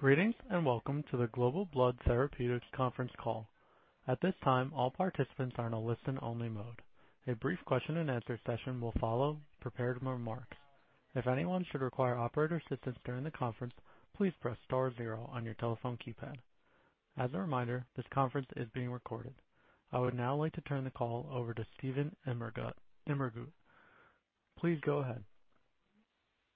Greetings, and welcome to the Global Blood Therapeutics conference call. At this time, all participants are in a listen-only mode. A brief question and answer session will follow prepared remarks. If anyone should require operator assistance during the conference, please press star zero on your telephone keypad. As a reminder, this conference is being recorded. I would now like to turn the call over to Steven Immergut. Please go ahead.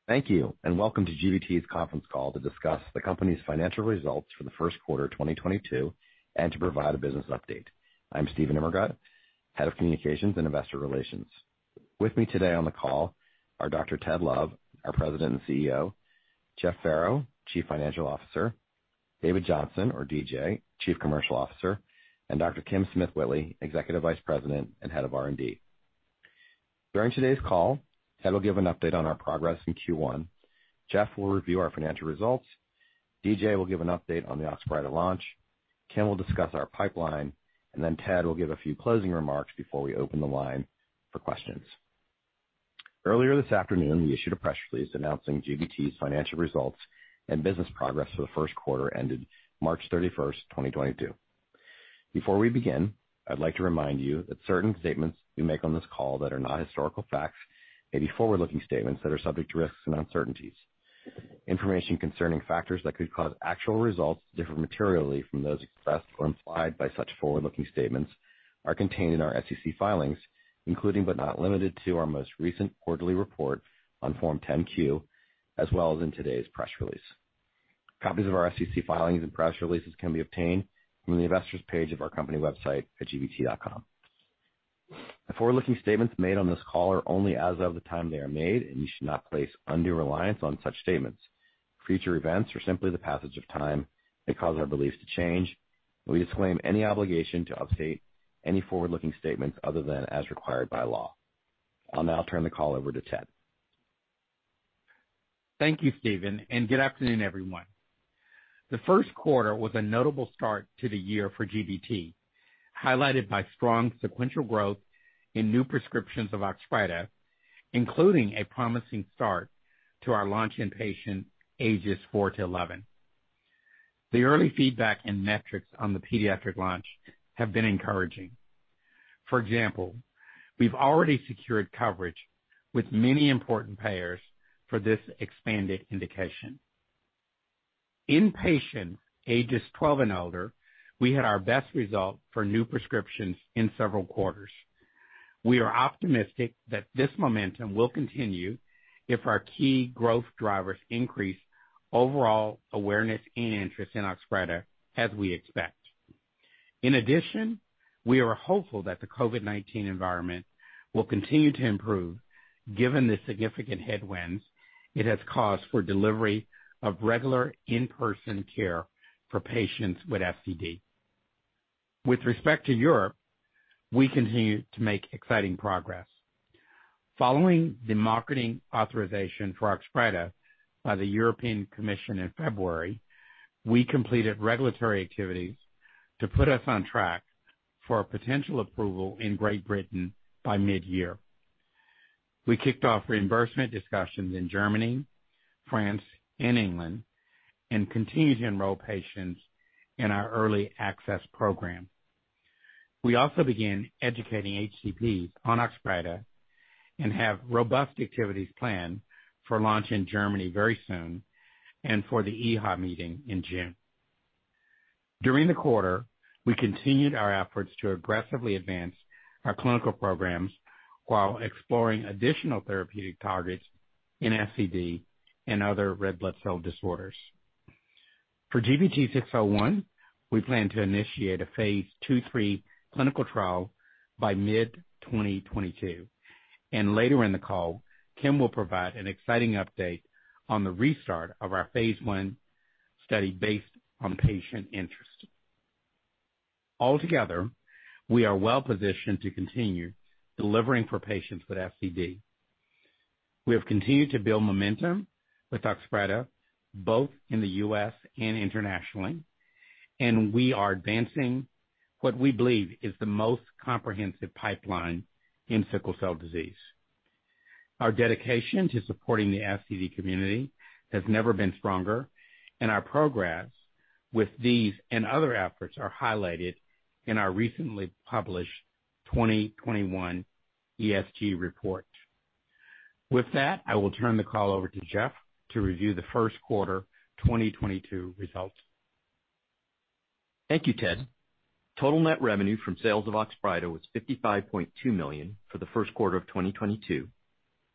Thank you, and welcome to GBT's conference call to discuss the company's financial results for the first quarter, 2022, and to provide a business update. I'm Steven Immergut, head of communications and investor relations. With me today on the call are Dr. Ted Love, our President and CEO, Jeff Farrow, Chief Financial Officer, David Johnson or DJ, Chief Commercial Officer, and Dr. Kim Smith-Whitley, Executive Vice President and Head of R&D. During today's call, Ted will give an update on our progress in Q1. Jeff will review our financial results. DJ will give an update on the Oxbryta launch. Kim will discuss our pipeline, and then Ted will give a few closing remarks before we open the line for questions. Earlier this afternoon, we issued a press release announcing GBT's financial results and business progress for the first quarter ended March 31st, 2022. Before we begin, I'd like to remind you that certain statements we make on this call that are not historical facts may be forward-looking statements that are subject to risks and uncertainties. Information concerning factors that could cause actual results to differ materially from those expressed or implied by such forward-looking statements are contained in our SEC filings, including but not limited to our most recent quarterly report on Form 10-Q, as well as in today's press release. Copies of our SEC filings and press releases can be obtained from the investors page of our company website at gbt.com. The forward-looking statements made on this call are only as of the time they are made, and you should not place undue reliance on such statements. Future events or simply the passage of time may cause our beliefs to change, and we disclaim any obligation to update any forward-looking statements other than as required by law. I'll now turn the call over to Ted. Thank you, Steven, and good afternoon, everyone. The first quarter was a notable start to the year for GBT, highlighted by strong sequential growth in new prescriptions of Oxbryta, including a promising start to our launch in patients ages 4-11. The early feedback and metrics on the pediatric launch have been encouraging. For example, we've already secured coverage with many important payers for this expanded indication. In patients ages 12 and older, we had our best result for new prescriptions in several quarters. We are optimistic that this momentum will continue if our key growth drivers increase overall awareness and interest in Oxbryta, as we expect. In addition, we are hopeful that the COVID-19 environment will continue to improve given the significant headwinds it has caused for delivery of regular in-person care for patients with SCD. With respect to Europe, we continue to make exciting progress. Following the marketing authorization for Oxbryta by the European Commission in February, we completed regulatory activities to put us on track for a potential approval in Great Britain by mid-year. We kicked off reimbursement discussions in Germany, France, and England, and continue to enroll patients in our early access program. We also began educating HCPs on Oxbryta and have robust activities planned for launch in Germany very soon and for the EHA meeting in June. During the quarter, we continued our efforts to aggressively advance our clinical programs while exploring additional therapeutic targets in SCD and other red blood cell disorders. For GBT601, we plan to initiate a Phase 2/3 clinical trial by mid-2022. Later in the call, Kim will provide an exciting update on the restart of our Phase 1 study based on patient interest. Altogether, we are well-positioned to continue delivering for patients with SCD. We have continued to build momentum with Oxbryta both in the U.S. and internationally, and we are advancing what we believe is the most comprehensive pipeline in sickle cell disease. Our dedication to supporting the SCD community has never been stronger, and our progress with these and other efforts are highlighted in our recently published 2021 ESG report. With that, I will turn the call over to Jeff to review the first quarter 2022 results. Thank you, Ted. Total net revenue from sales of Oxbryta was $55.2 million for the first quarter of 2022,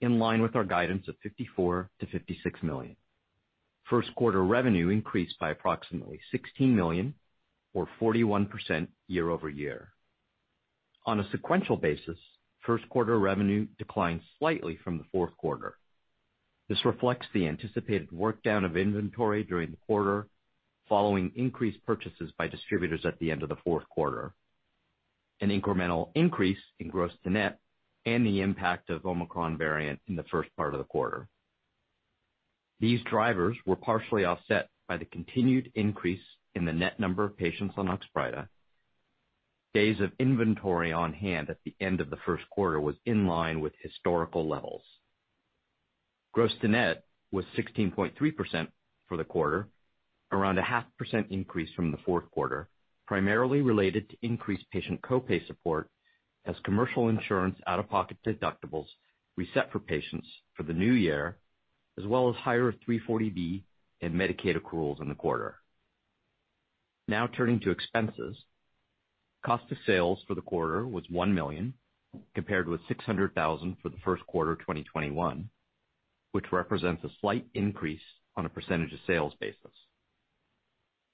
in line with our guidance of $54 million-$56 million. First quarter revenue increased by approximately $16 million or 41% year-over-year. On a sequential basis, first quarter revenue declined slightly from the fourth quarter. This reflects the anticipated workdown of inventory during the quarter following increased purchases by distributors at the end of the fourth quarter, an incremental increase in gross to net, and the impact of Omicron variant in the first part of the quarter. These drivers were partially offset by the continued increase in the net number of patients on Oxbryta. Days of inventory on hand at the end of the first quarter was in line with historical levels. Gross to net was 16.3% for the quarter, around a half percent increase from the fourth quarter, primarily related to increased patient co-pay support as commercial insurance out-of-pocket deductibles reset for patients for the new year, as well as higher 340B and Medicaid accruals in the quarter. Now turning to expenses. Cost of sales for the quarter was $1 million, compared with $600,000 for the first quarter of 2021, which represents a slight increase on a percentage of sales basis.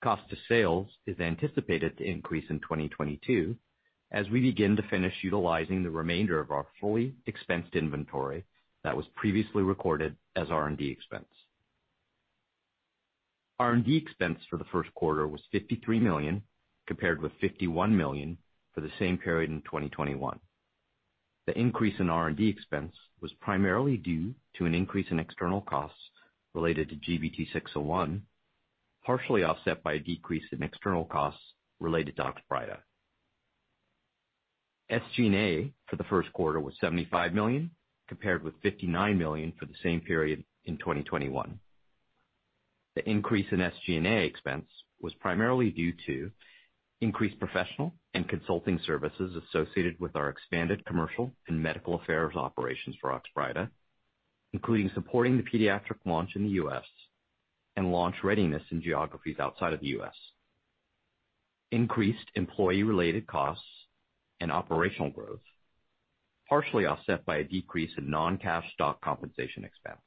Cost of sales is anticipated to increase in 2022 as we begin to finish utilizing the remainder of our fully expensed inventory that was previously recorded as R&D expense. R&D expense for the first quarter was $53 million, compared with $51 million for the same period in 2021. The increase in R&D expense was primarily due to an increase in external costs related to GBT601, partially offset by a decrease in external costs related to Oxbryta. SG&A for the first quarter was $75 million, compared with $59 million for the same period in 2021. The increase in SG&A expense was primarily due to increased professional and consulting services associated with our expanded commercial and medical affairs operations for Oxbryta, including supporting the pediatric launch in the U.S. and launch readiness in geographies outside of the U.S., increased employee-related costs and operational growth, partially offset by a decrease in non-cash stock compensation expense.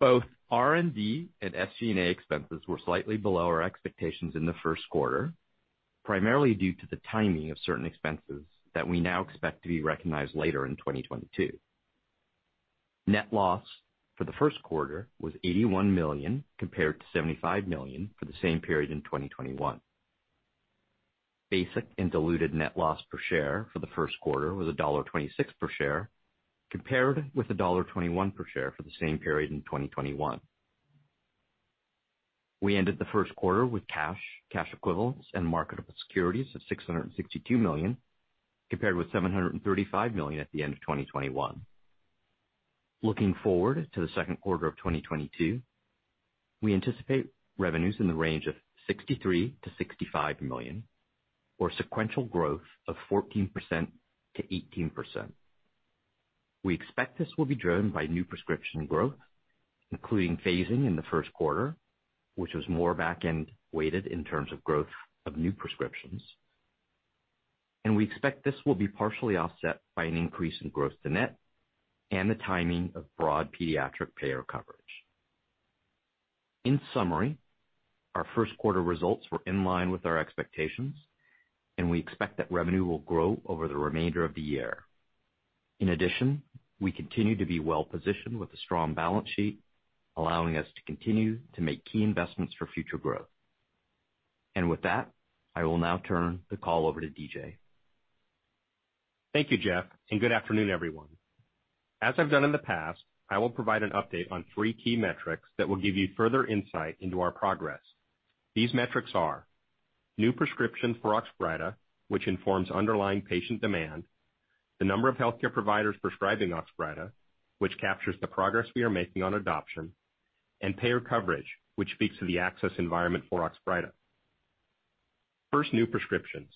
Both R&D and SG&A expenses were slightly below our expectations in the first quarter, primarily due to the timing of certain expenses that we now expect to be recognized later in 2022. Net loss for the first quarter was $81 million, compared to $75 million for the same period in 2021. Basic and diluted net loss per share for the first quarter was $1.26 per share, compared with $1.21 per share for the same period in 2021. We ended the first quarter with cash equivalents, and marketable securities of $662 million, compared with $735 million at the end of 2021. Looking forward to the second quarter of 2022, we anticipate revenues in the range of $63 million-$65 million, or sequential growth of 14%-18%. We expect this will be driven by new prescription growth, including phasing in the first quarter, which was more back-end weighted in terms of growth of new prescriptions. We expect this will be partially offset by an increase in gross to net and the timing of broad pediatric payer coverage. In summary, our first quarter results were in line with our expectations, and we expect that revenue will grow over the remainder of the year. In addition, we continue to be well-positioned with a strong balance sheet, allowing us to continue to make key investments for future growth. With that, I will now turn the call over to DJ. Thank you, Jeff, and good afternoon, everyone. As I've done in the past, I will provide an update on three key metrics that will give you further insight into our progress. These metrics are new prescriptions for Oxbryta, which informs underlying patient demand, the number of healthcare providers prescribing Oxbryta, which captures the progress we are making on adoption, and payer coverage, which speaks to the access environment for Oxbryta. First, new prescriptions.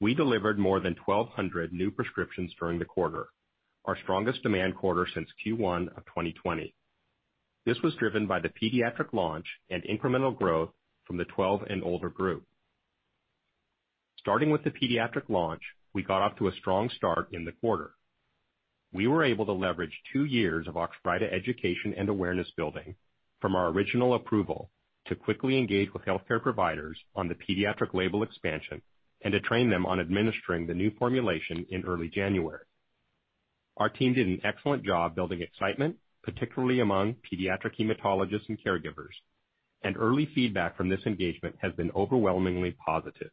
We delivered more than 1,200 new prescriptions during the quarter, our strongest demand quarter since Q1 of 2020. This was driven by the pediatric launch and incremental growth from the 12 and older group. Starting with the pediatric launch, we got off to a strong start in the quarter. We were able to leverage two years of Oxbryta education and awareness building from our original approval to quickly engage with healthcare providers on the pediatric label expansion and to train them on administering the new formulation in early January. Our team did an excellent job building excitement, particularly among pediatric hematologists and caregivers, and early feedback from this engagement has been overwhelmingly positive.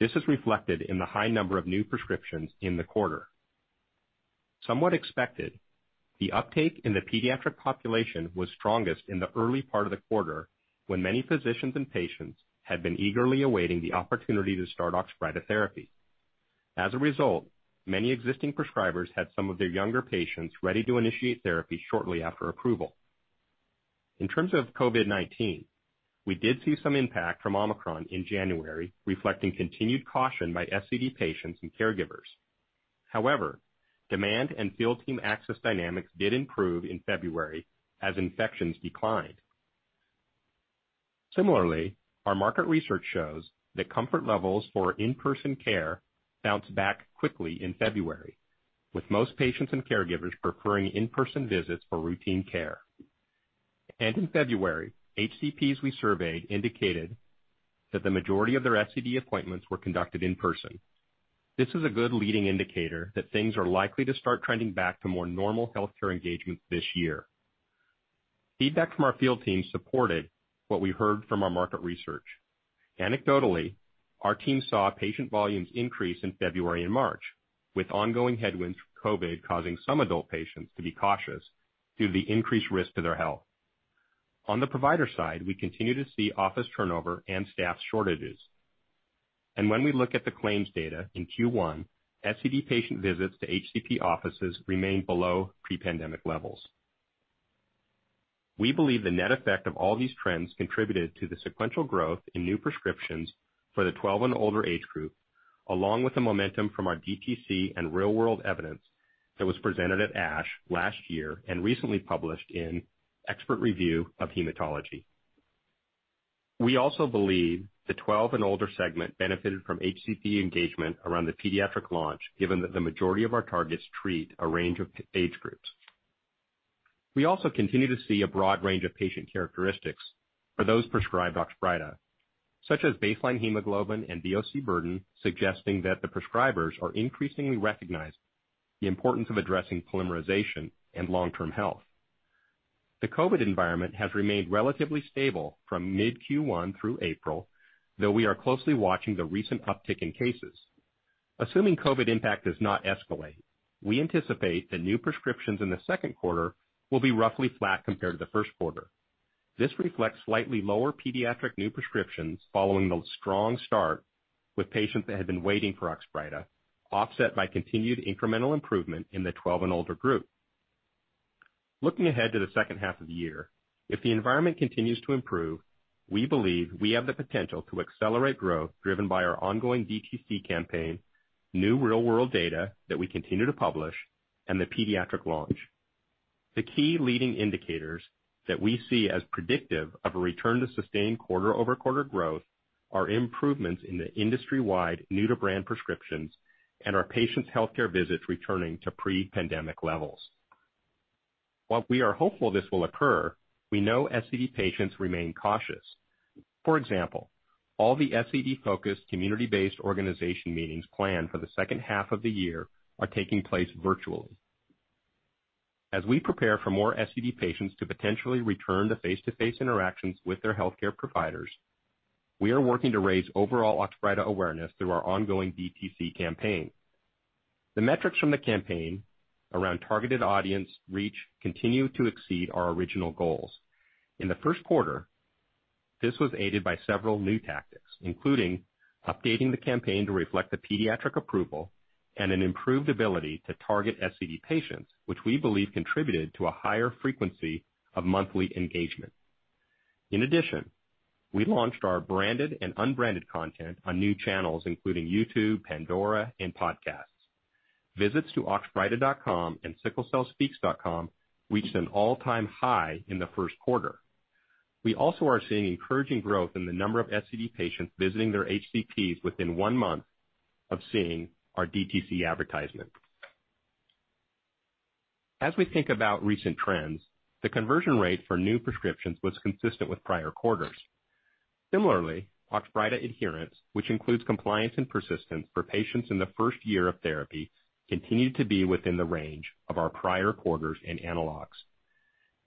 This is reflected in the high number of new prescriptions in the quarter. Somewhat expected, the uptake in the pediatric population was strongest in the early part of the quarter, when many physicians and patients had been eagerly awaiting the opportunity to start Oxbryta therapy. As a result, many existing prescribers had some of their younger patients ready to initiate therapy shortly after approval. In terms of COVID-19, we did see some impact from Omicron in January, reflecting continued caution by SCD patients and caregivers. However, demand and field team access dynamics did improve in February as infections declined. Similarly, our market research shows that comfort levels for in-person care bounced back quickly in February, with most patients and caregivers preferring in-person visits for routine care. In February, HCPs we surveyed indicated that the majority of their SCD appointments were conducted in person. This is a good leading indicator that things are likely to start trending back to more normal healthcare engagement this year. Feedback from our field team supported what we heard from our market research. Anecdotally, our team saw patient volumes increase in February and March, with ongoing headwinds from COVID causing some adult patients to be cautious due to the increased risk to their health. On the provider side, we continue to see office turnover and staff shortages. When we look at the claims data in Q1, SCD patient visits to HCP offices remain below pre-pandemic levels. We believe the net effect of all these trends contributed to the sequential growth in new prescriptions for the 12 and older age group, along with the momentum from our DTC and real-world evidence that was presented at ASH last year and recently published in Expert Review of Hematology. We also believe the 12 and older segment benefited from HCP engagement around the pediatric launch, given that the majority of our targets treat a range of age groups. We also continue to see a broad range of patient characteristics for those prescribed Oxbryta, such as baseline hemoglobin and VOC burden, suggesting that the prescribers are increasingly recognizing the importance of addressing polymerization and long-term health. The COVID environment has remained relatively stable from mid Q1 through April, though we are closely watching the recent uptick in cases. Assuming COVID impact does not escalate, we anticipate that new prescriptions in the second quarter will be roughly flat compared to the first quarter. This reflects slightly lower pediatric new prescriptions following the strong start with patients that had been waiting for Oxbryta, offset by continued incremental improvement in the 12 and older group. Looking ahead to the second half of the year, if the environment continues to improve, we believe we have the potential to accelerate growth driven by our ongoing DTC campaign, new real-world data that we continue to publish, and the pediatric launch. The key leading indicators that we see as predictive of a return to sustained quarter-over-quarter growth are improvements in the industry-wide new to brand prescriptions and our patients' healthcare visits returning to pre-pandemic levels. While we are hopeful this will occur, we know SCD patients remain cautious. For example, all the SCD-focused community-based organization meetings planned for the second half of the year are taking place virtually. As we prepare for more SCD patients to potentially return to face-to-face interactions with their healthcare providers, we are working to raise overall Oxbryta awareness through our ongoing DTC campaign. The metrics from the campaign around targeted audience reach continue to exceed our original goals. In the first quarter, this was aided by several new tactics, including updating the campaign to reflect the pediatric approval and an improved ability to target SCD patients which we believe contributed to a higher frequency of monthly engagement. In addition, we launched our branded and unbranded content on new channels, including YouTube, Pandora, and podcasts. Visits to Oxbryta.com and SickleCellSpeaks.com reached an all-time high in the first quarter. We also are seeing encouraging growth in the number of SCD patients visiting their HCPs within one month of seeing our DTC advertisement. As we think about recent trends, the conversion rate for new prescriptions was consistent with prior quarters. Similarly, Oxbryta adherence, which includes compliance and persistence for patients in the first year of therapy, continued to be within the range of our prior quarters and analogs.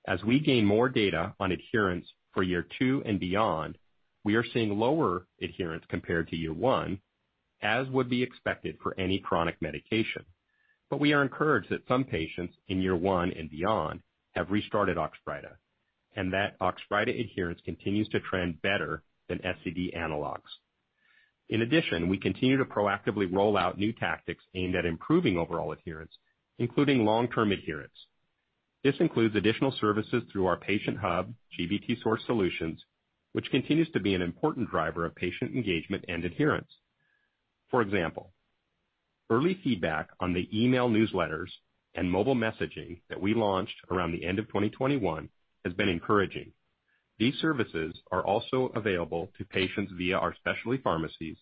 As we gain more data on adherence for year two and beyond, we are seeing lower adherence compared to year one, as would be expected for any chronic medication. We are encouraged that some patients in year one and beyond have restarted Oxbryta, and that Oxbryta adherence continues to trend better than SCD analogs. In addition, we continue to proactively roll out new tactics aimed at improving overall adherence, including long-term adherence. This includes additional services through our patient hub, GBT Source Solutions, which continues to be an important driver of patient engagement and adherence. For example, early feedback on the email newsletters and mobile messaging that we launched around the end of 2021 has been encouraging. These services are also available to patients via our specialty pharmacies,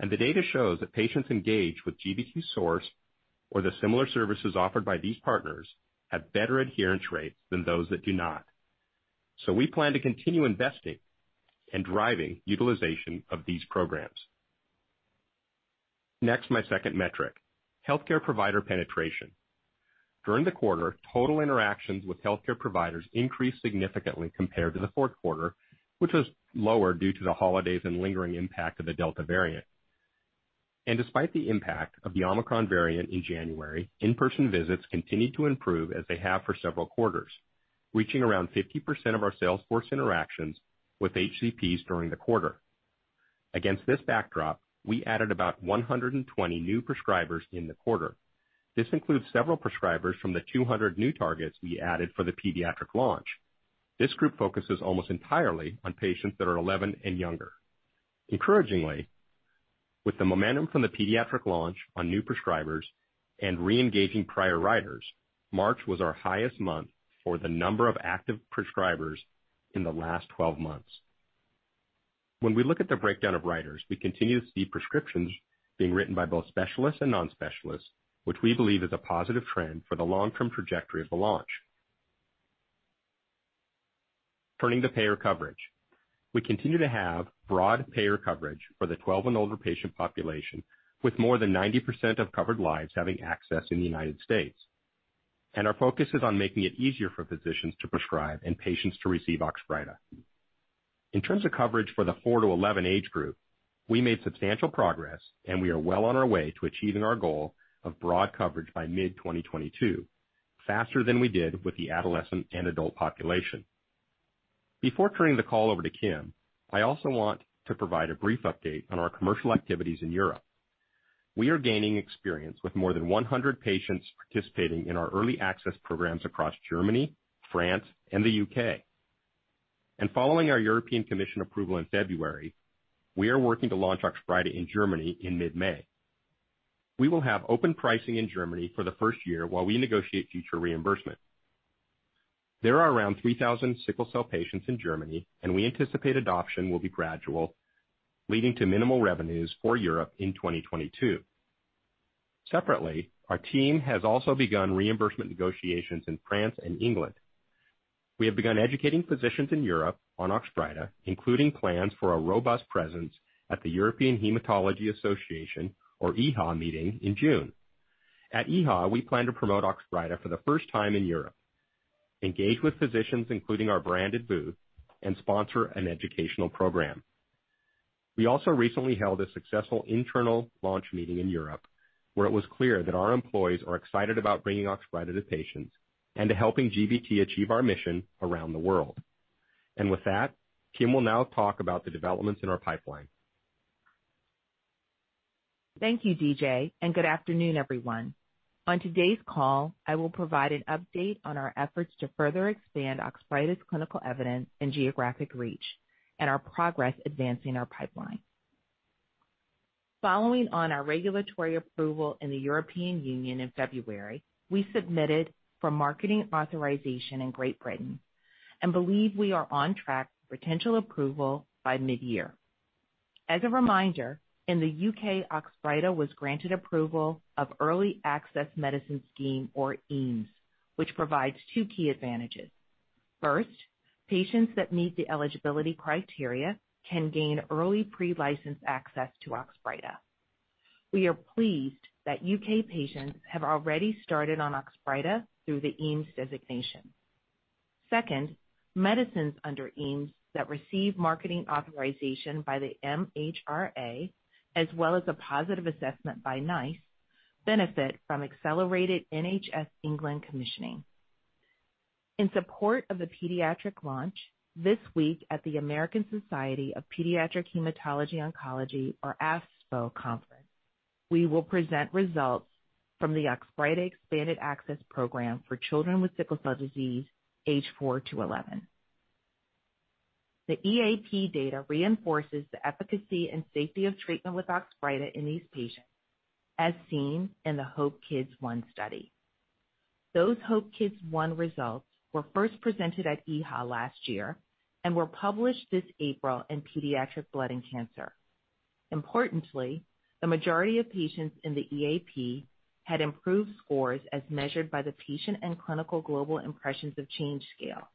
and the data shows that patients engaged with GBT Source or the similar services offered by these partners have better adherence rates than those that do not. We plan to continue investing and driving utilization of these programs. Next, my second metric, healthcare provider penetration. During the quarter, total interactions with healthcare providers increased significantly compared to the fourth quarter, which was lower due to the holidays and lingering impact of the Delta variant. Despite the impact of the Omicron variant in January, in-person visits continued to improve as they have for several quarters, reaching around 50% of our sales force interactions with HCPs during the quarter. Against this backdrop, we added about 120 new prescribers in the quarter. This includes several prescribers from the 200 new targets we added for the pediatric launch. This group focuses almost entirely on patients that are 11 and younger. Encouragingly, with the momentum from the pediatric launch on new prescribers and re-engaging prior writers, March was our highest month for the number of active prescribers in the last 12 months. When we look at the breakdown of writers, we continue to see prescriptions being written by both specialists and non-specialists, which we believe is a positive trend for the long-term trajectory of the launch. Turning to payer coverage. We continue to have broad payer coverage for the 12 and older patient population, with more than 90% of covered lives having access in the United States. Our focus is on making it easier for physicians to prescribe and patients to receive Oxbryta. In terms of coverage for the 4-11 age group, we made substantial progress, and we are well on our way to achieving our goal of broad coverage by mid-2022, faster than we did with the adolescent and adult population. Before turning the call over to Kim, I also want to provide a brief update on our commercial activities in Europe. We are gaining experience with more than 100 patients participating in our early access programs across Germany, France, and the U.K. Following our European Commission approval in February, we are working to launch Oxbryta in Germany in mid-May. We will have open pricing in Germany for the first year while we negotiate future reimbursement. There are around 3,000 sickle cell patients in Germany, and we anticipate adoption will be gradual, leading to minimal revenues for Europe in 2022. Separately, our team has also begun reimbursement negotiations in France and England. We have begun educating physicians in Europe on Oxbryta, including plans for a robust presence at the European Hematology Association, or EHA, meeting in June. At EHA, we plan to promote Oxbryta for the first time in Europe, engage with physicians, including our branded booth, and sponsor an educational program. We also recently held a successful internal launch meeting in Europe, where it was clear that our employees are excited about bringing Oxbryta to patients and to helping GBT achieve our mission around the world. With that, Kim will now talk about the developments in our pipeline. Thank you, DJ, and good afternoon, everyone. On today's call, I will provide an update on our efforts to further expand Oxbryta's clinical evidence and geographic reach and our progress advancing our pipeline. Following on our regulatory approval in the European Union in February, we submitted for marketing authorization in Great Britain and believe we are on track for potential approval by mid-year. As a reminder, in the U.K., Oxbryta was granted approval of Early Access Medicine Scheme, or EAMS, which provides two key advantages. First, patients that meet the eligibility criteria can gain early pre-licensed access to Oxbryta. We are pleased that U.K. patients have already started on Oxbryta through the EAMS designation. Second, medicines under EAMS that receive marketing authorization by the MHRA, as well as a positive assessment by NICE, benefit from accelerated NHS England commissioning. In support of the pediatric launch, this week at the American Society of Pediatric Hematology/Oncology, or ASPHO conference, we will present results from the Oxbryta Expanded Access Program for children with sickle cell disease age 4-11. The EAP data reinforces the efficacy and safety of treatment with Oxbryta in these patients, as seen in the HOPE-KIDS 1 study. Those HOPE-KIDS 1 results were first presented at EHA last year and were published this April in Pediatric Blood & Cancer. Importantly, the majority of patients in the EAP had improved scores as measured by the Patient and Clinical Global Impressions of Change scale,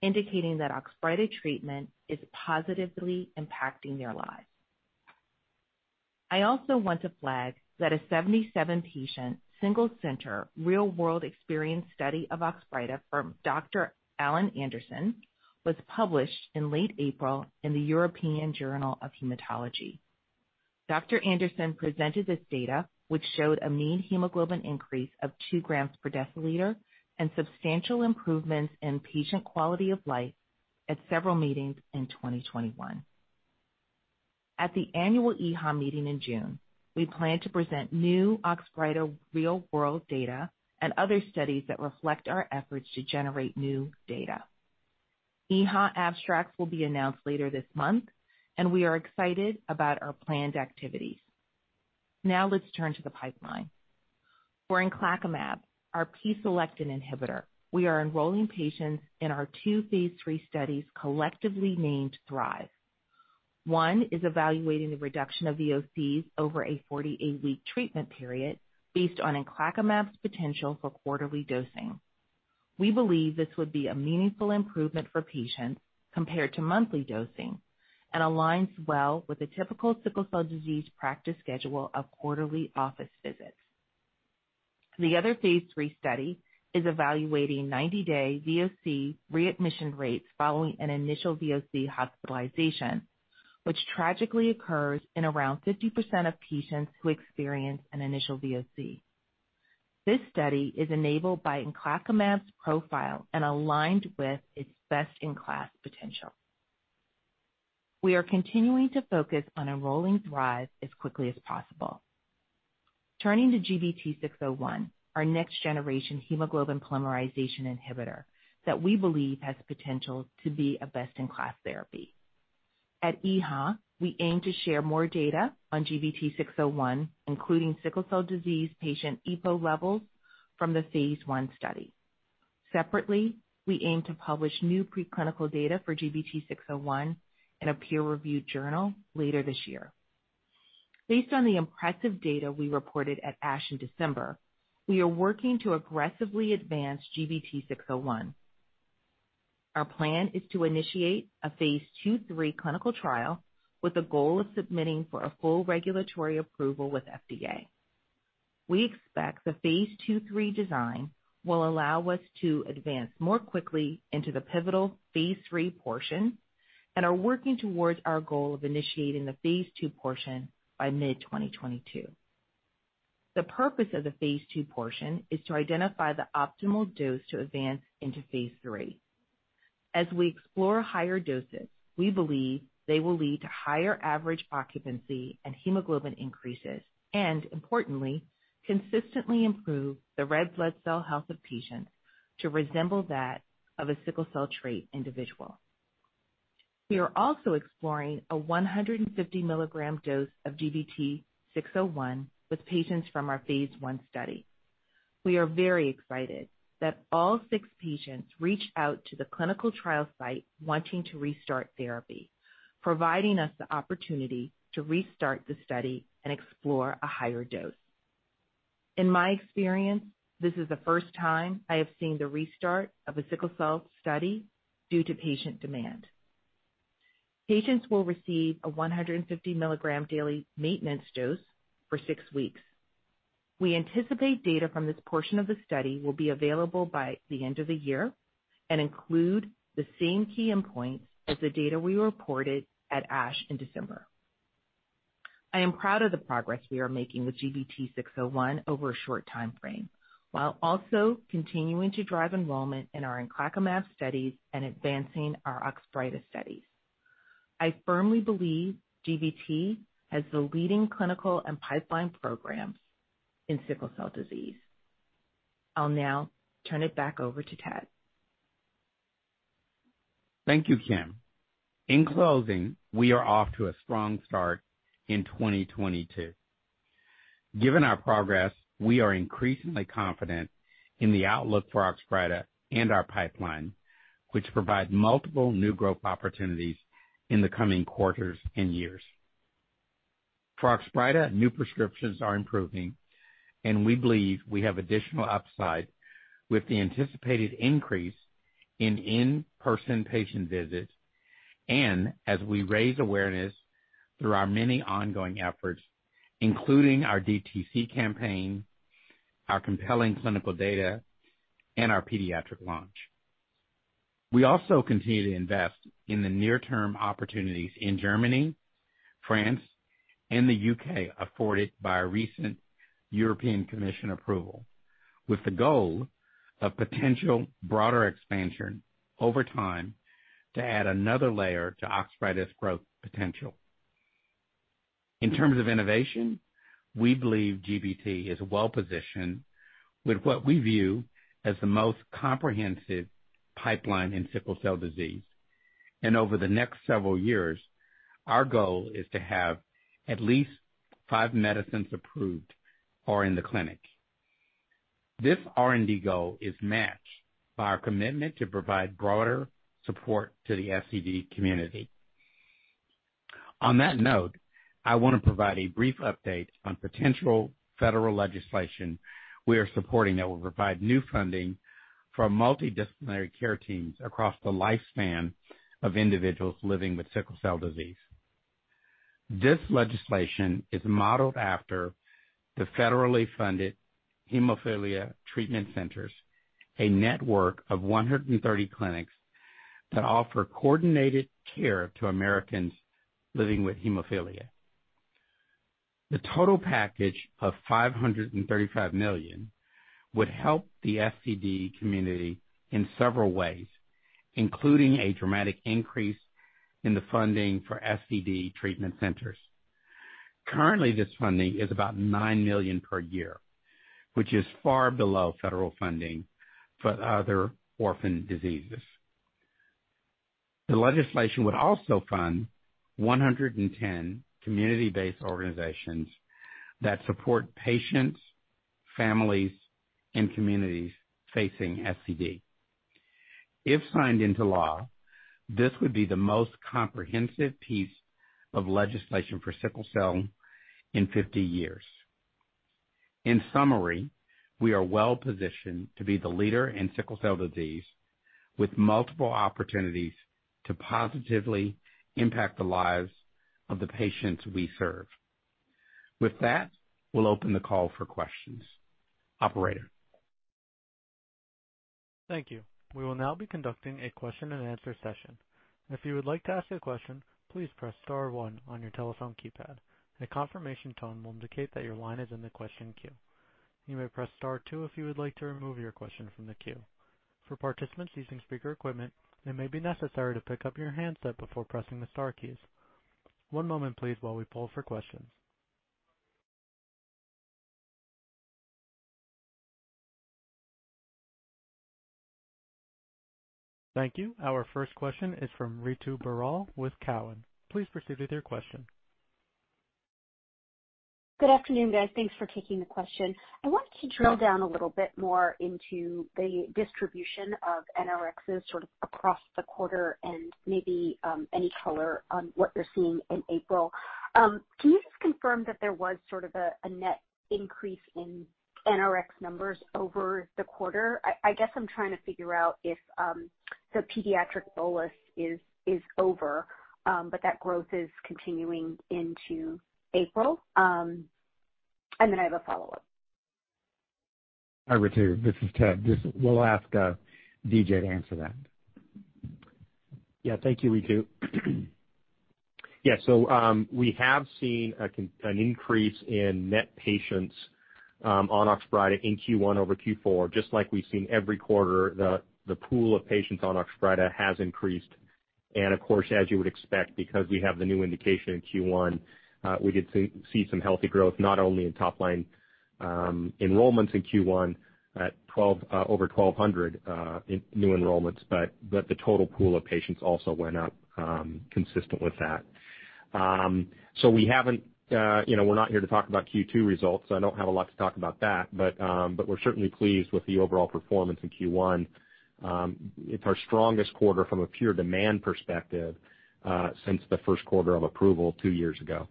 indicating that Oxbryta treatment is positively impacting their lives. I also want to flag that a 77-patient, single-center, real-world experience study of Oxbryta from Dr. Alan Anderson was published in late April in the European Journal of Hematology. Dr. Anderson presented this data, which showed a mean hemoglobin increase of two grams per deciliter and substantial improvements in patient quality of life at several meetings in 2021. At the annual EHA meeting in June, we plan to present new Oxbryta real-world data and other studies that reflect our efforts to generate new data. EHA abstracts will be announced later this month, and we are excited about our planned activities. Now let's turn to the pipeline. For inclacumab, our P-selectin inhibitor, we are enrolling patients in our two Phase 3 studies collectively named THRIVE. One is evaluating the reduction of VOCs over a 48-week treatment period based on inclacumab's potential for quarterly dosing. We believe this would be a meaningful improvement for patients compared to monthly dosing and aligns well with the typical sickle cell disease practice schedule of quarterly office visits. The other Phase 3 study is evaluating 90-day VOC readmission rates following an initial VOC hospitalization, which tragically occurs in around 50% of patients who experience an initial VOC. This study is enabled by inclacumab's profile and aligned with its best-in-class potential. We are continuing to focus on enrolling THRIVE as quickly as possible. Turning to GBT601, our next-generation hemoglobin polymerization inhibitor that we believe has potential to be a best-in-class therapy. At EHA, we aim to share more data on GBT601, including sickle cell disease patient EPO levels from the Phase 1 study. Separately, we aim to publish new preclinical data for GBT601 in a peer-reviewed journal later this year. Based on the impressive data we reported at ASH in December, we are working to aggressively advance GBT601. Our plan is to initiate a Phase 2/3 clinical trial with a goal of submitting for a full regulatory approval with FDA. We expect the Phase 2/3 design will allow us to advance more quickly into the pivotal Phase 3 portion and are working towards our goal of initiating the Phase 2 portion by mid-2022. The purpose of the Phase 2 portion is to identify the optimal dose to advance into Phase 3. As we explore higher doses, we believe they will lead to higher average occupancy and hemoglobin increases, and importantly, consistently improve the red blood cell health of patients to resemble that of a sickle cell trait individual. We are also exploring a 150 mg dose of GBT-601 with patients from our Phase 1 study. We are very excited that all six patients reached out to the clinical trial site wanting to restart therapy, providing us the opportunity to restart the study and explore a higher dose. In my experience, this is the first time I have seen the restart of a sickle cell study due to patient demand. Patients will receive a 150 milligram daily maintenance dose for six weeks. We anticipate data from this portion of the study will be available by the end of the year and include the same key endpoint as the data we reported at ASH in December. I am proud of the progress we are making with GBT601 over a short time frame, while also continuing to drive enrollment in our inclacumab studies and advancing our Oxbryta studies. I firmly believe GBT has the leading clinical and pipeline programs in sickle cell disease. I'll now turn it back over to Ted. Thank you, Kim. In closing, we are off to a strong start in 2022. Given our progress, we are increasingly confident in the outlook for Oxbryta and our pipeline, which provide multiple new growth opportunities in the coming quarters and years. For Oxbryta, new prescriptions are improving, and we believe we have additional upside with the anticipated increase in in-person patient visits and as we raise awareness through our many ongoing efforts, including our DTC campaign, our compelling clinical data, and our pediatric launch. We also continue to invest in the near-term opportunities in Germany, France, and the U.K. afforded by a recent European Commission approval, with the goal of potential broader expansion over time to add another layer to Oxbryta's growth potential. In terms of innovation, we believe GBT is well-positioned with what we view as the most comprehensive pipeline in sickle cell disease. Over the next several years, our goal is to have at least 5 medicines approved or in the clinic. This R&D goal is matched by our commitment to provide broader support to the SCD community. On that note, I want to provide a brief update on potential federal legislation we are supporting that will provide new funding for multidisciplinary care teams across the lifespan of individuals living with sickle cell disease. This legislation is modeled after the federally funded Hemophilia Treatment Centers, a network of 130 clinics that offer coordinated care to Americans living with hemophilia. The total package of $535 million would help the SCD community in several ways, including a dramatic increase in the funding for SCD treatment centers. Currently, this funding is about $9 million per year, which is far below federal funding for other orphan diseases. The legislation would also fund 110 community-based organizations that support patients, families, and communities facing SCD. If signed into law, this would be the most comprehensive piece of legislation for sickle cell in 50 years. In summary, we are well-positioned to be the leader in sickle cell disease with multiple opportunities to positively impact the lives of the patients we serve. With that, we'll open the call for questions. Operator. Thank you. We will now be conducting a question and answer session. If you would like to ask a question, please press star one on your telephone keypad. A confirmation tone will indicate that your line is in the question queue. You may press star two if you would like to remove your question from the queue. For participants using speaker equipment, it may be necessary to pick up your handset before pressing the star keys. One moment please while we poll for questions. Thank you. Our first question is from Ritu Baral with Cowen. Please proceed with your question. Good afternoon, guys. Thanks for taking the question. I wanted to drill down a little bit more into the distribution of NRxs sort of across the quarter and maybe any color on what you're seeing in April. Can you just confirm that there was sort of a net increase in NRx numbers over the quarter. I guess I'm trying to figure out if the pediatric bolus is over but that growth is continuing into April. I have a follow-up. Hi, Ritu. This is Ted. Just we'll ask DJ to answer that. Yeah. Thank you, Ritu. We have seen an increase in net patients on Oxbryta in Q1 over Q4, just like we've seen every quarter. The pool of patients on Oxbryta has increased. Of course, as you would expect, because we have the new indication in Q1, we did see some healthy growth, not only in top line enrollments in Q1 at over 1,200 in new enrollments, but the total pool of patients also went up, consistent with that. We haven't, you know, we're not here to talk about Q2 results, so I don't have a lot to talk about that. We're certainly pleased with the overall performance in Q1. It's our strongest quarter from a pure demand perspective, since the first quarter of approval two years ago.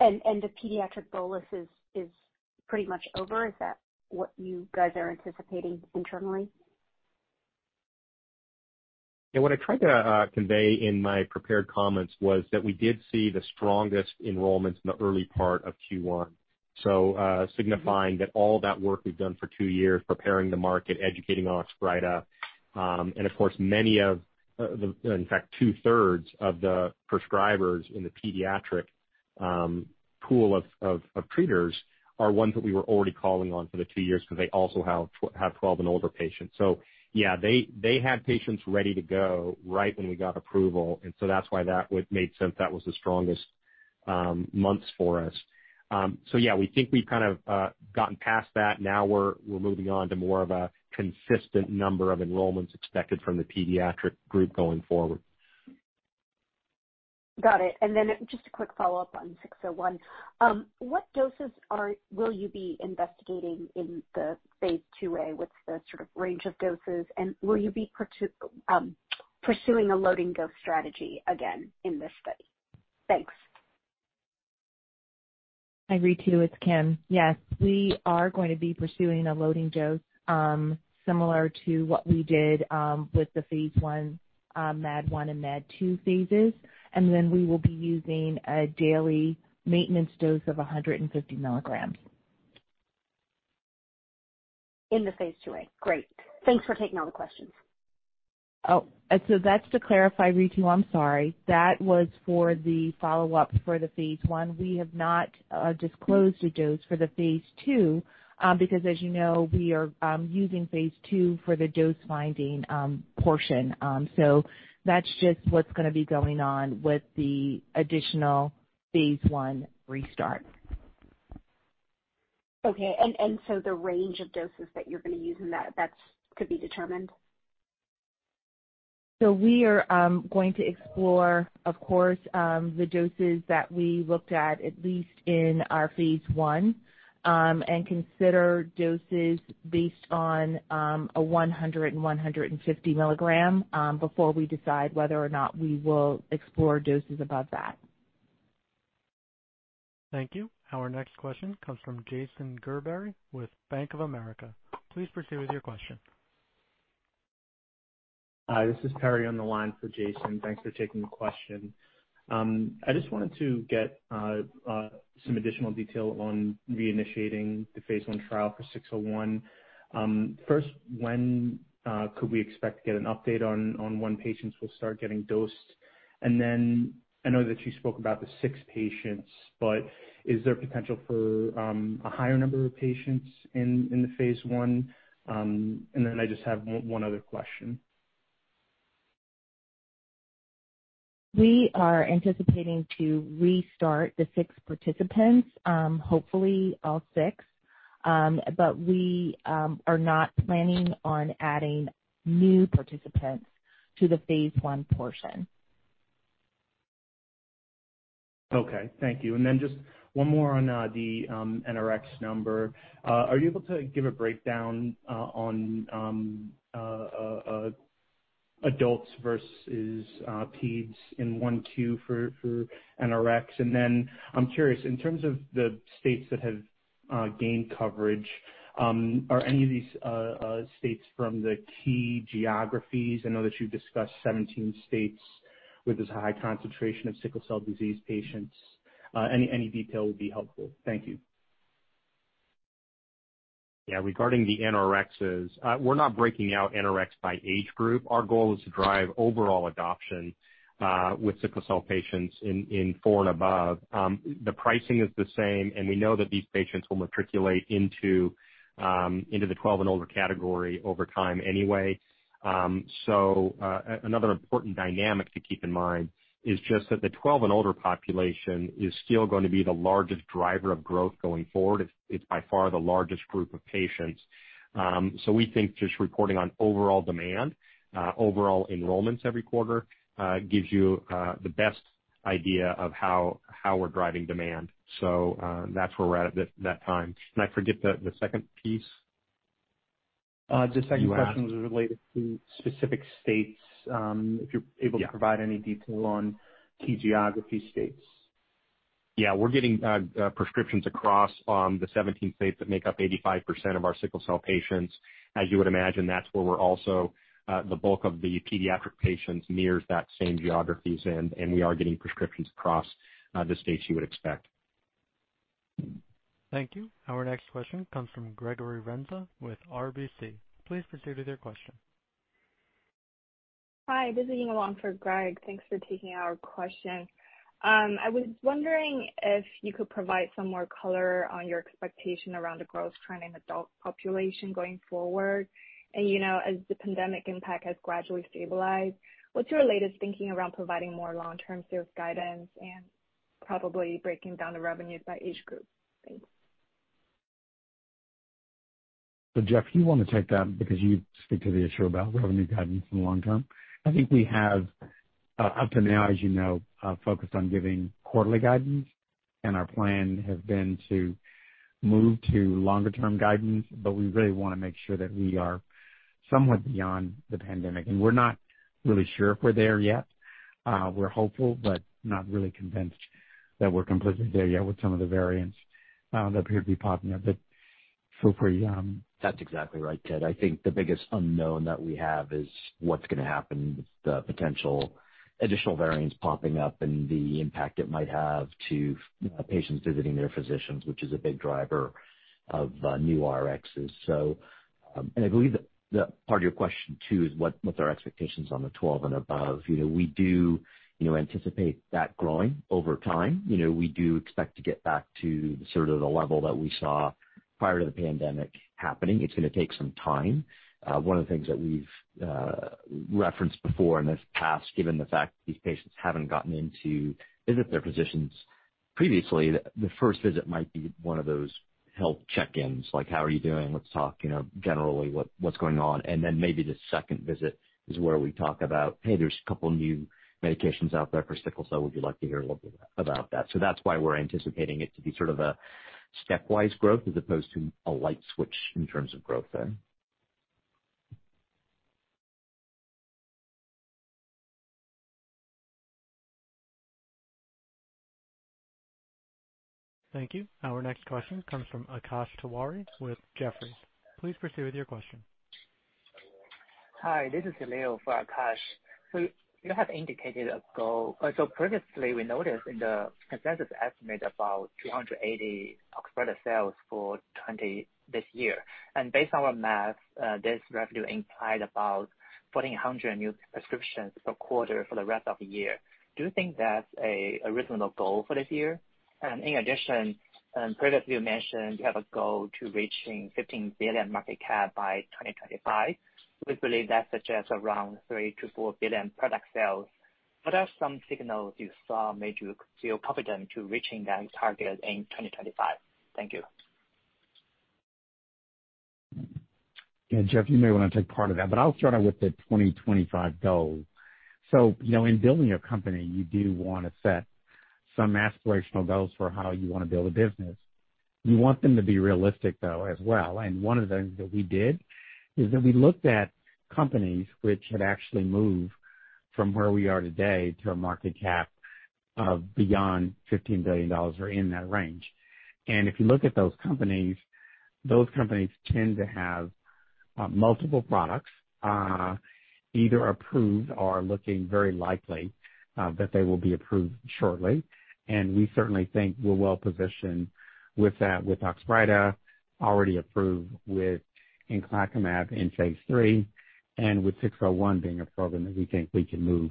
The pediatric bolus is pretty much over. Is that what you guys are anticipating internally? Yeah, what I tried to convey in my prepared comments was that we did see the strongest enrollments in the early part of Q1. Signifying that all that work we've done for two years, preparing the market, educating Oxbryta, and of course, many of in fact, two-thirds of the prescribers in the pediatric pool of treaters are ones that we were already calling on for the two years because they also have 12 and older patients. Yeah, they had patients ready to go right when we got approval, and so that's why that would make sense. That was the strongest months for us. Yeah, we think we've kind of gotten past that. Now we're moving on to more of a consistent number of enrollments expected from the pediatric group going forward. Got it. Just a quick follow-up on 601. What doses will you be investigating in the Phase 2a? What's the sort of range of doses, and will you be pursuing a loading dose strategy again in this study? Thanks. Hi, Ritu. It's Kim. Yes, we are going to be pursuing a loading dose, similar to what we did, with the Phase 1, MAD 1 and MAD 2 Phases. We will be using a daily maintenance dose of 150 milligrams. In the Phase 2-way. Great. Thanks for taking all the questions. That's to clarify, Ritu, I'm sorry. That was for the follow-up for the Phase 1. We have not disclosed a dose for the Phase 2, because as you know, we are using Phase 2 for the dose-finding portion. That's just what's gonna be going on with the additional Phase 1 restart. Okay. The range of doses that you're gonna use in that's to be determined? We are going to explore, of course, the doses that we looked at at least in our Phase 1, and consider doses based on a 100 and 150 milligram before we decide whether or not we will explore doses above that. Thank you. Our next question comes from Jason Gerberry with Bank of America. Please proceed with your question. Hi, this is Perry on the line for Jason. Thanks for taking the question. I just wanted to get some additional detail on reinitiating the Phase 1 trial for 601. First, when could we expect to get an update on when patients will start getting dosed? Then I know that you spoke about the six patients, but is there potential for a higher number of patients in the Phase 1? Then I just have one other question. We are anticipating to restart the six participants, hopefully all six. We are not planning on adding new participants to the Phase 1 portion. Okay. Thank you. Just one more on the NRx number. Are you able to give a breakdown on adults versus peds in Q1, Q2 for NRx? I'm curious, in terms of the states that have gained coverage, are any of these states from the key geographies? I know that you've discussed 17 states with this high concentration of sickle cell disease patients. Any detail would be helpful. Thank you. Yeah. Regarding the NRx, we're not breaking out NRx by age group. Our goal is to drive overall adoption with sickle cell patients in four and above. The pricing is the same, and we know that these patients will matriculate into the 12 and older category over time anyway. Another important dynamic to keep in mind is just that the 12 and older population is still gonna be the largest driver of growth going forward. It's by far the largest group of patients. We think just reporting on overall demand, overall enrollments every quarter gives you the best idea of how we're driving demand. That's where we're at that time. I forget the second piece. The second question was related to specific states, if you're able to provide any detail on key geographic states. Yeah, we're getting prescriptions across the 17 states that make up 85% of our sickle cell patients. As you would imagine, that's where we're also the bulk of the pediatric patients mirrors that same geographies, and we are getting prescriptions across the states you would expect. Thank you. Our next question comes from Gregory Renza with RBC. Please proceed with your question. Hi, this is Ying along for Greg. Thanks for taking our question. I was wondering if you could provide some more color on your expectation around the growth trend in adult population going forward. You know, as the pandemic impact has gradually stabilized, what's your latest thinking around providing more long-term sales guidance and probably breaking down the revenues by age group? Thanks. Jeff, do you want to take that because you speak to the issue about revenue guidance in the long term? I think we have, up to now, as you know, focused on giving quarterly guidance, and our plan has been to move to longer term guidance, but we really wanna make sure that we are somewhat beyond the pandemic. We're not really sure if we're there yet. We're hopeful, but not really convinced that we're completely there yet with some of the variants that appear to be popping up. That's exactly right, Ted. I think the biggest unknown that we have is what's gonna happen with the potential additional variants popping up and the impact it might have to patients visiting their physicians, which is a big driver of new RXs. I believe that part of your question too is what's our expectations on the 12 and above. You know, we do, you know, anticipate that growing over time. You know, we do expect to get back to sort of the level that we saw prior to the pandemic happening. It's gonna take some time. One of the things that we've referenced before in the past, given the fact these patients haven't gotten in to visit their physicians previously, the first visit might be one of those health check-ins, like, how are you doing? Let's talk, you know, generally what's going on. Then maybe the second visit is where we talk about, "Hey, there's a couple new medications out there for sickle cell. Would you like to hear a little bit about that?" That's why we're anticipating it to be sort of a stepwise growth as opposed to a light switch in terms of growth there. Thank you. Our next question comes from Akash Tewari with Jefferies. Please proceed with your question. Hi, this is Leo for Akash. You have indicated a goal. Previously we noticed in the consensus estimate about $280 million Oxbryta sales for 2020 this year. Based on our math, this revenue implied about 1,400 new prescriptions per quarter for the rest of the year. Do you think that's a reasonable goal for this year? In addition, previously you mentioned you have a goal to reaching $15 billion market cap by 2025. We believe that suggests around $3 billion-$4 billion product sales. What are some signals you saw that made you feel confident to reaching that target in 2025? Thank you. Yeah. Jeff, you may wanna take part of that, but I'll start out with the 2025 goal. You know, in building a company, you do wanna set some aspirational goals for how you wanna build a business. You want them to be realistic, though, as well. One of the things that we did is that we looked at companies which had actually moved from where we are today to a market cap of beyond $15 billion or in that range. If you look at those companies, those companies tend to have multiple products, either approved or looking very likely that they will be approved shortly. We certainly think we're well-positioned with that, with Oxbryta already approved with inclacumab in Phase 3 and with 601 being a program that we think we can move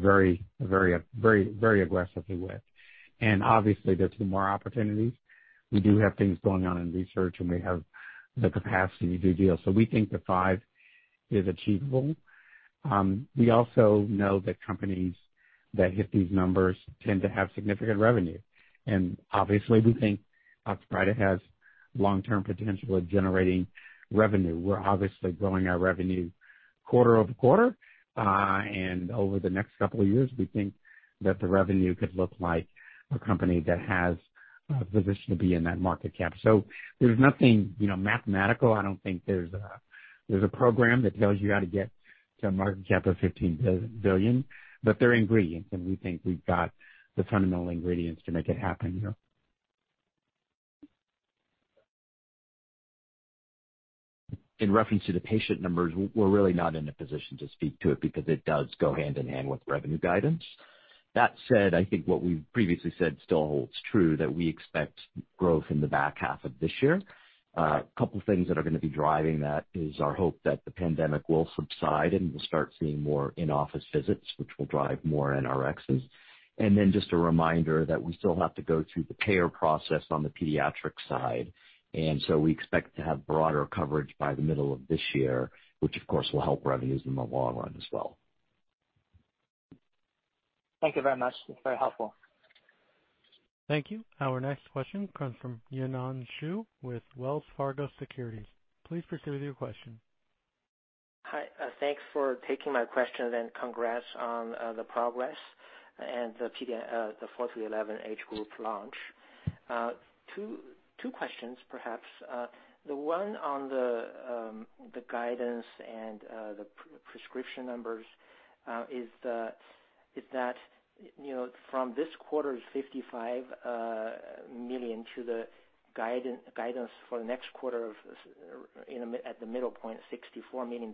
very, very, very aggressively with. Obviously there's some more opportunities. We do have things going on in research, and we have the capacity to do deals. We think the five is achievable. We also know that companies that hit these numbers tend to have significant revenue. Obviously we think Oxbryta has long-term potential of generating revenue. We're obviously growing our revenue quarter over quarter, and over the next couple of years, we think that the revenue could look like a company that has a position to be in that market cap. There's nothing, you know, mathematical. I don't think there's a program that tells you how to get to a market cap of $15 billion, but they're ingredients, and we think we've got the fundamental ingredients to make it happen, you know. In reference to the patient numbers, we're really not in a position to speak to it because it does go hand in hand with revenue guidance. That said, I think what we've previously said still holds true that we expect growth in the back half of this year. A couple of things that are gonna be driving that is our hope that the pandemic will subside and we'll start seeing more in-office visits, which will drive more NRxs. Then just a reminder that we still have to go through the payer process on the pediatric side. We expect to have broader coverage by the middle of this year, which of course will help revenues in the long run as well. Thank you very much. It's very helpful. Thank you. Our next question comes from Yanan Zhu with Wells Fargo Securities. Please proceed with your question. Hi, thanks for taking my question, and congrats on the progress and the 4-11 age group launch. Two questions perhaps, the one on the guidance and the prescription numbers, is that, you know, from this quarter's $55 million to the guidance for next quarter of, so you know, at the midpoint $64 million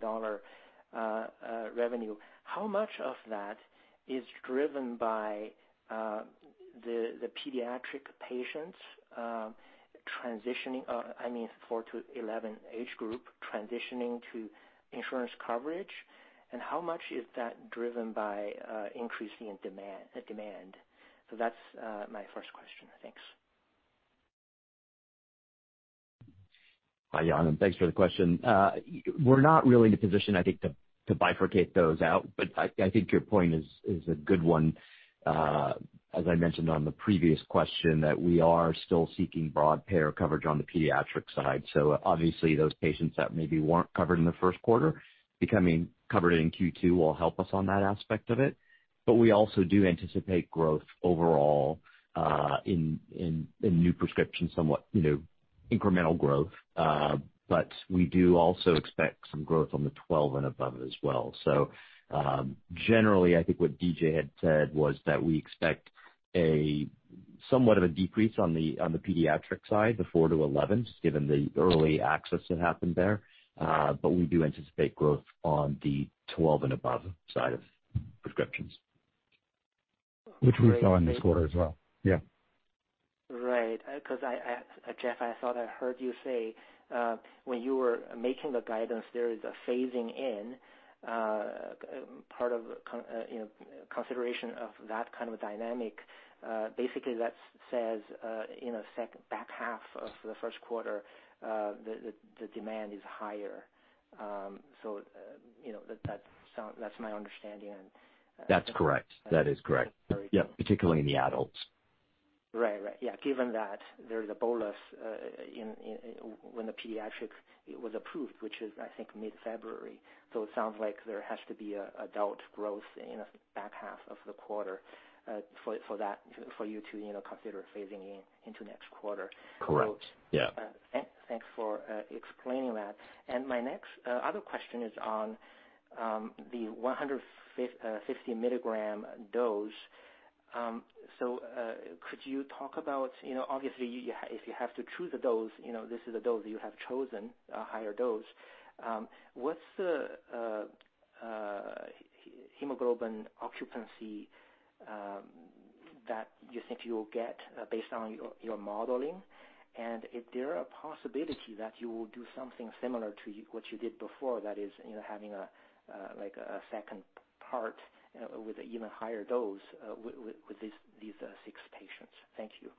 revenue. How much of that is driven by the pediatric patients transitioning, I mean, 4-11 age group transitioning to insurance coverage? And how much is that driven by increasing demand? So that's my first question. Thanks. Hi, Yanan. Thanks for the question. We're not really in a position, I think, to bifurcate those out, but I think your point is a good one. As I mentioned on the previous question, that we are still seeking broad payer coverage on the pediatric side. Obviously, those patients that maybe weren't covered in the first quarter becoming covered in Q2 will help us on that aspect of it. We also do anticipate growth overall, in new prescriptions, somewhat, you know, incremental growth. We do also expect some growth on the 12 and above as well. Generally, I think what DJ had said was that we expect somewhat of a decrease on the pediatric side, the 4-11s, given the early access that happened there. We do anticipate growth on the 12 and above side of prescriptions. Which we saw in this quarter as well. Yeah. Right. 'Cause I, Jeff, I thought I heard you say when you were making the guidance, there is a phasing in, part of consideration of that kind of dynamic. Basically that says in the back half of the first quarter, the demand is higher. You know, that's my understanding and- That's correct. That is correct. Very cool. Yeah, particularly in the adults. Right. Yeah. Given that there's a bolus in when the pediatric was approved, which is I think mid-February. It sounds like there has to be adult growth in a back half of the quarter for that for you to know consider phasing in into next quarter. Correct. Yeah. Thanks for explaining that. My next other question is on the 150 milligram dose. So, could you talk about, you know, obviously if you have to choose a dose, you know, this is a dose you have chosen, a higher dose. What's the hemoglobin occupancy that you think you will get based on your modeling? Is there a possibility that you will do something similar to what you did before? That is, you know, having, like, a second part with an even higher dose with these six patients. Thank you.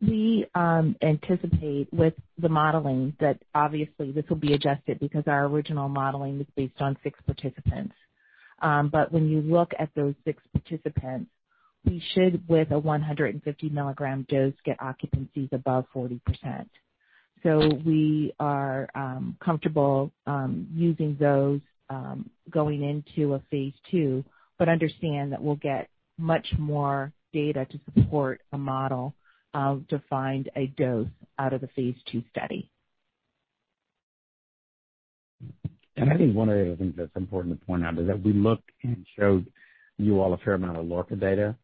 We anticipate with the modeling that obviously this will be adjusted because our original modeling is based on six participants. When you look at those six participants, we should, with a 150 milligram dose, get occupancies above 40%. We are comfortable using those going into a Phase 2, but understand that we'll get much more data to support a model of defined a dose out of the Phase 2 study. I think one of the other things that's important to point out is that we looked and showed you all a fair amount of LoRRca data,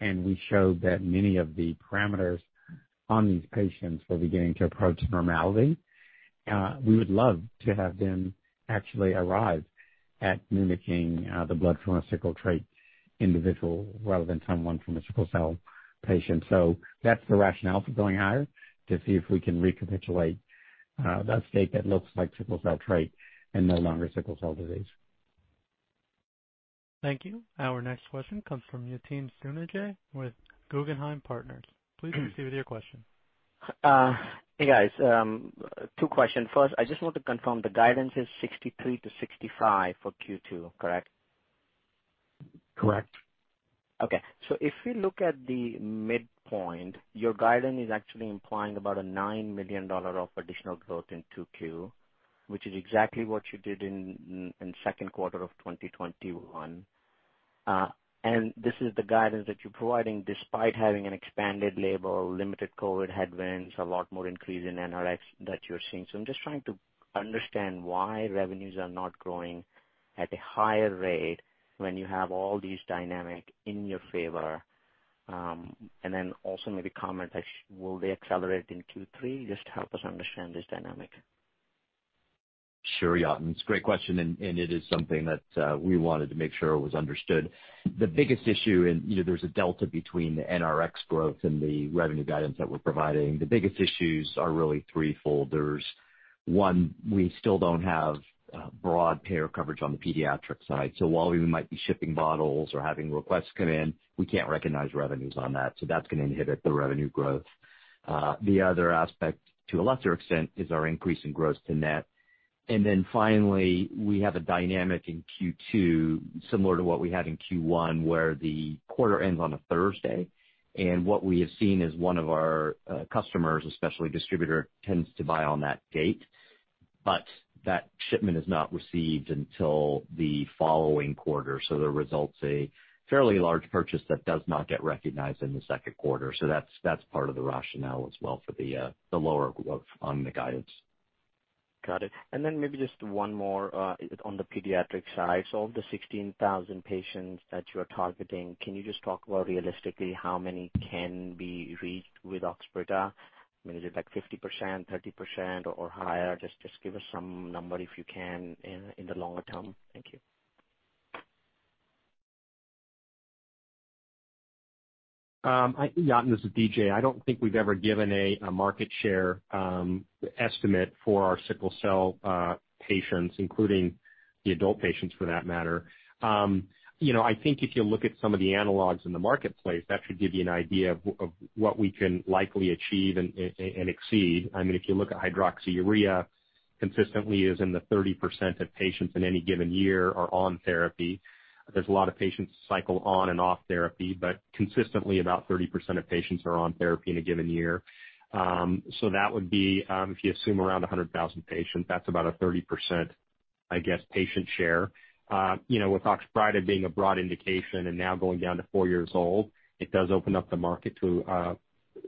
and we showed that many of the parameters on these patients were beginning to approach normality. We would love to have them actually arrive at mimicking the blood from a sickle cell trait individual rather than from a sickle cell patient. That's the rationale for going higher, to see if we can recapitulate that state that looks like sickle cell trait and no longer sickle cell disease. Thank you. Our next question comes from Yatin Suneja with Guggenheim Partners. Please proceed with your question. Hey, guys. Two questions. First, I just want to confirm the guidance is $63-$65 for Q2, correct? Correct. Okay. If we look at the midpoint, your guidance is actually implying about a $9 million of additional growth in 2Q, which is exactly what you did in second quarter of 2021. This is the guidance that you're providing despite having an expanded label, limited COVID headwinds, a lot more increase in NRx that you're seeing. I'm just trying to understand why revenues are not growing at a higher rate when you have all these dynamic in your favor. Then also maybe comment, will they accelerate in Q3? Just help us understand this dynamic. Sure, Yatin. It's a great question, and it is something that we wanted to make sure it was understood. The biggest issue, you know, there's a delta between the NRx growth and the revenue guidance that we're providing. The biggest issues are really threefold. There's one, we still don't have broad payer coverage on the pediatric side. So while we might be shipping bottles or having requests come in, we can't recognize revenues on that, so that's going to inhibit the revenue growth. The other aspect, to a lesser extent, is our increase in gross to net. Finally, we have a dynamic in Q2 similar to what we had in Q1, where the quarter ends on a Thursday. What we have seen is one of our customers, a specialty distributor, tends to buy on that date, but that shipment is not received until the following quarter. There results a fairly large purchase that does not get recognized in the second quarter. That's part of the rationale as well for the lower growth on the guidance. Got it. Maybe just one more on the pediatric side. Of the 16,000 patients that you are targeting, can you just talk about realistically how many can be reached with Oxbryta? I mean, is it like 50%, 30% or higher? Just give us some number if you can in the longer term. Thank you. Yatin, this is DJ. I don't think we've ever given a market share estimate for our sickle cell patients, including the adult patients for that matter. You know, I think if you look at some of the analogs in the marketplace, that should give you an idea of what we can likely achieve and exceed. I mean, if you look at hydroxyurea consistently is in the 30% of patients in any given year are on therapy. There's a lot of patients cycle on and off therapy, but consistently about 30% of patients are on therapy in a given year. That would be if you assume around 100,000 patients, that's about a 30%, I guess, patient share. You know, with Oxbryta being a broad indication and now going down to 4 years old, it does open up the market to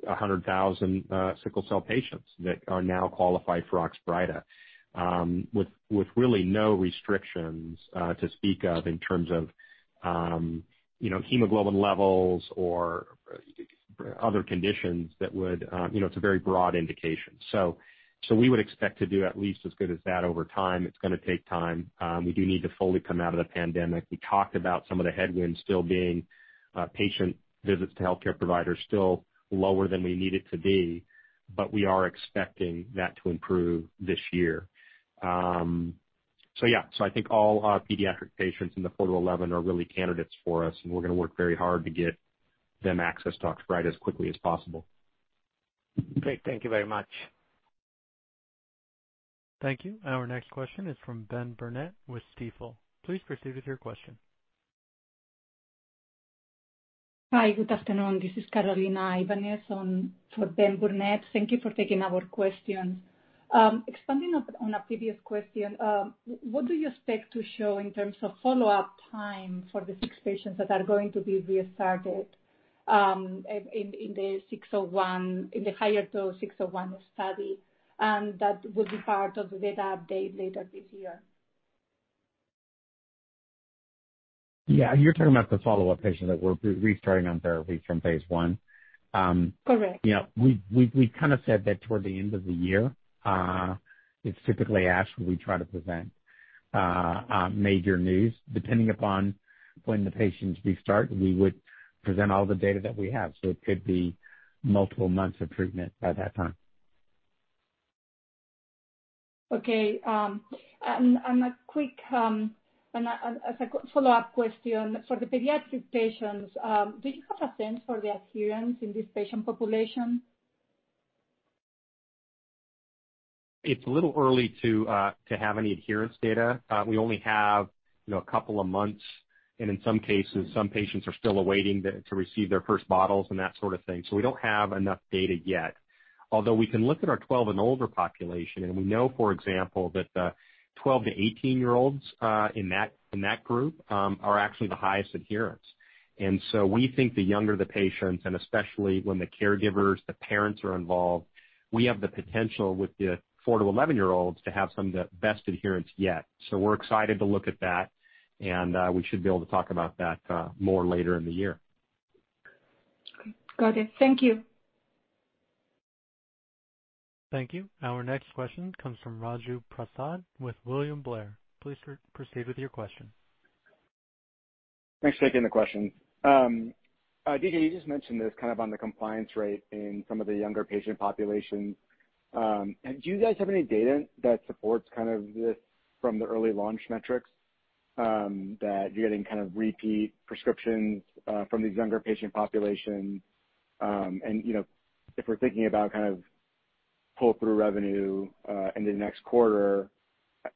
100,000 sickle cell patients that are now qualified for Oxbryta, with really no restrictions to speak of in terms of you know, hemoglobin levels or other conditions that would you know, it's a very broad indication. We would expect to do at least as good as that over time. It's gonna take time. We do need to fully come out of the pandemic. We talked about some of the headwinds still being patient visits to healthcare providers still lower than we need it to be, but we are expecting that to improve this year. Yeah. I think all our pediatric patients in the 4-11 are really candidates for us, and we're gonna work very hard to get them access to Oxbryta as quickly as possible. Great. Thank you very much. Thank you. Our next question is from Benj Burnett with Stifel. Please proceed with your question. Hi, good afternoon. This is Carolina Ibanez on for Ben Burnett. Thank you for taking our questions. Expanding on a previous question, what do you expect to show in terms of follow-up time for the six patients that are going to be re-started in the six oh one, in the higher dose six oh one study, and that will be part of the data update later this year? Yeah. You're talking about the follow-up patients that we're re-starting on therapy from Phase 1. Correct. Yeah. We've kind of said that toward the end of the year, it's typically ASH we try to present our major news. Depending upon when the patients restart, we would present all the data that we have, so it could be multiple months of treatment by that time. Okay. A quick follow-up question. For the pediatric patients, do you have a sense for the adherence in this patient population? It's a little early to have any adherence data. We only have, you know, a couple of months, and in some cases, some patients are still awaiting to receive their first bottles and that sort of thing. We don't have enough data yet. Although we can look at our 12 and older population, and we know, for example, that the 12-18-year-olds in that group are actually the highest adherence. We think the younger the patients, and especially when the caregivers, the parents are involved, we have the potential with the 4-11-year-olds to have some of the best adherence yet. We're excited to look at that, and we should be able to talk about that more later in the year. Got it. Thank you. Thank you. Our next question comes from Raju Prasad with William Blair. Please proceed with your question. Thanks for taking the question. DJ, you just mentioned this kind of on the compliance rate in some of the younger patient populations. Do you guys have any data that supports kind of this from the early launch metrics, that you're getting kind of repeat prescriptions, from these younger patient populations? And, you know, if we're thinking about kind of pull-through revenue, into next quarter,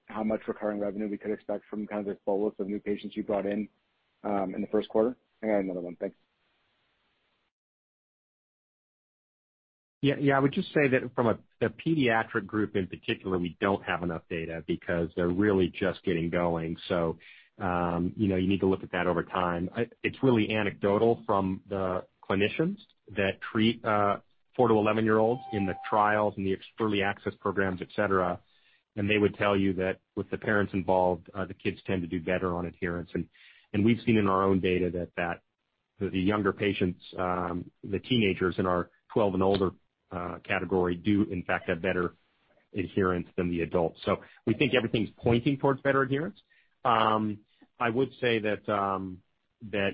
how much recurring revenue we could expect from kind of the cohorts of new patients you brought in the first quarter? I got another one. Thanks. Yeah, yeah. I would just say that from the pediatric group in particular, we don't have enough data because they're really just getting going. You know, you need to look at that over time. It's really anecdotal from the clinicians that treat 4- to 11-year-olds in the trials and the early access programs, et cetera. They would tell you that with the parents involved, the kids tend to do better on adherence. We've seen in our own data that the younger patients, the teenagers in our 12 and older category do in fact have better adherence than the adults. We think everything's pointing towards better adherence. I would say that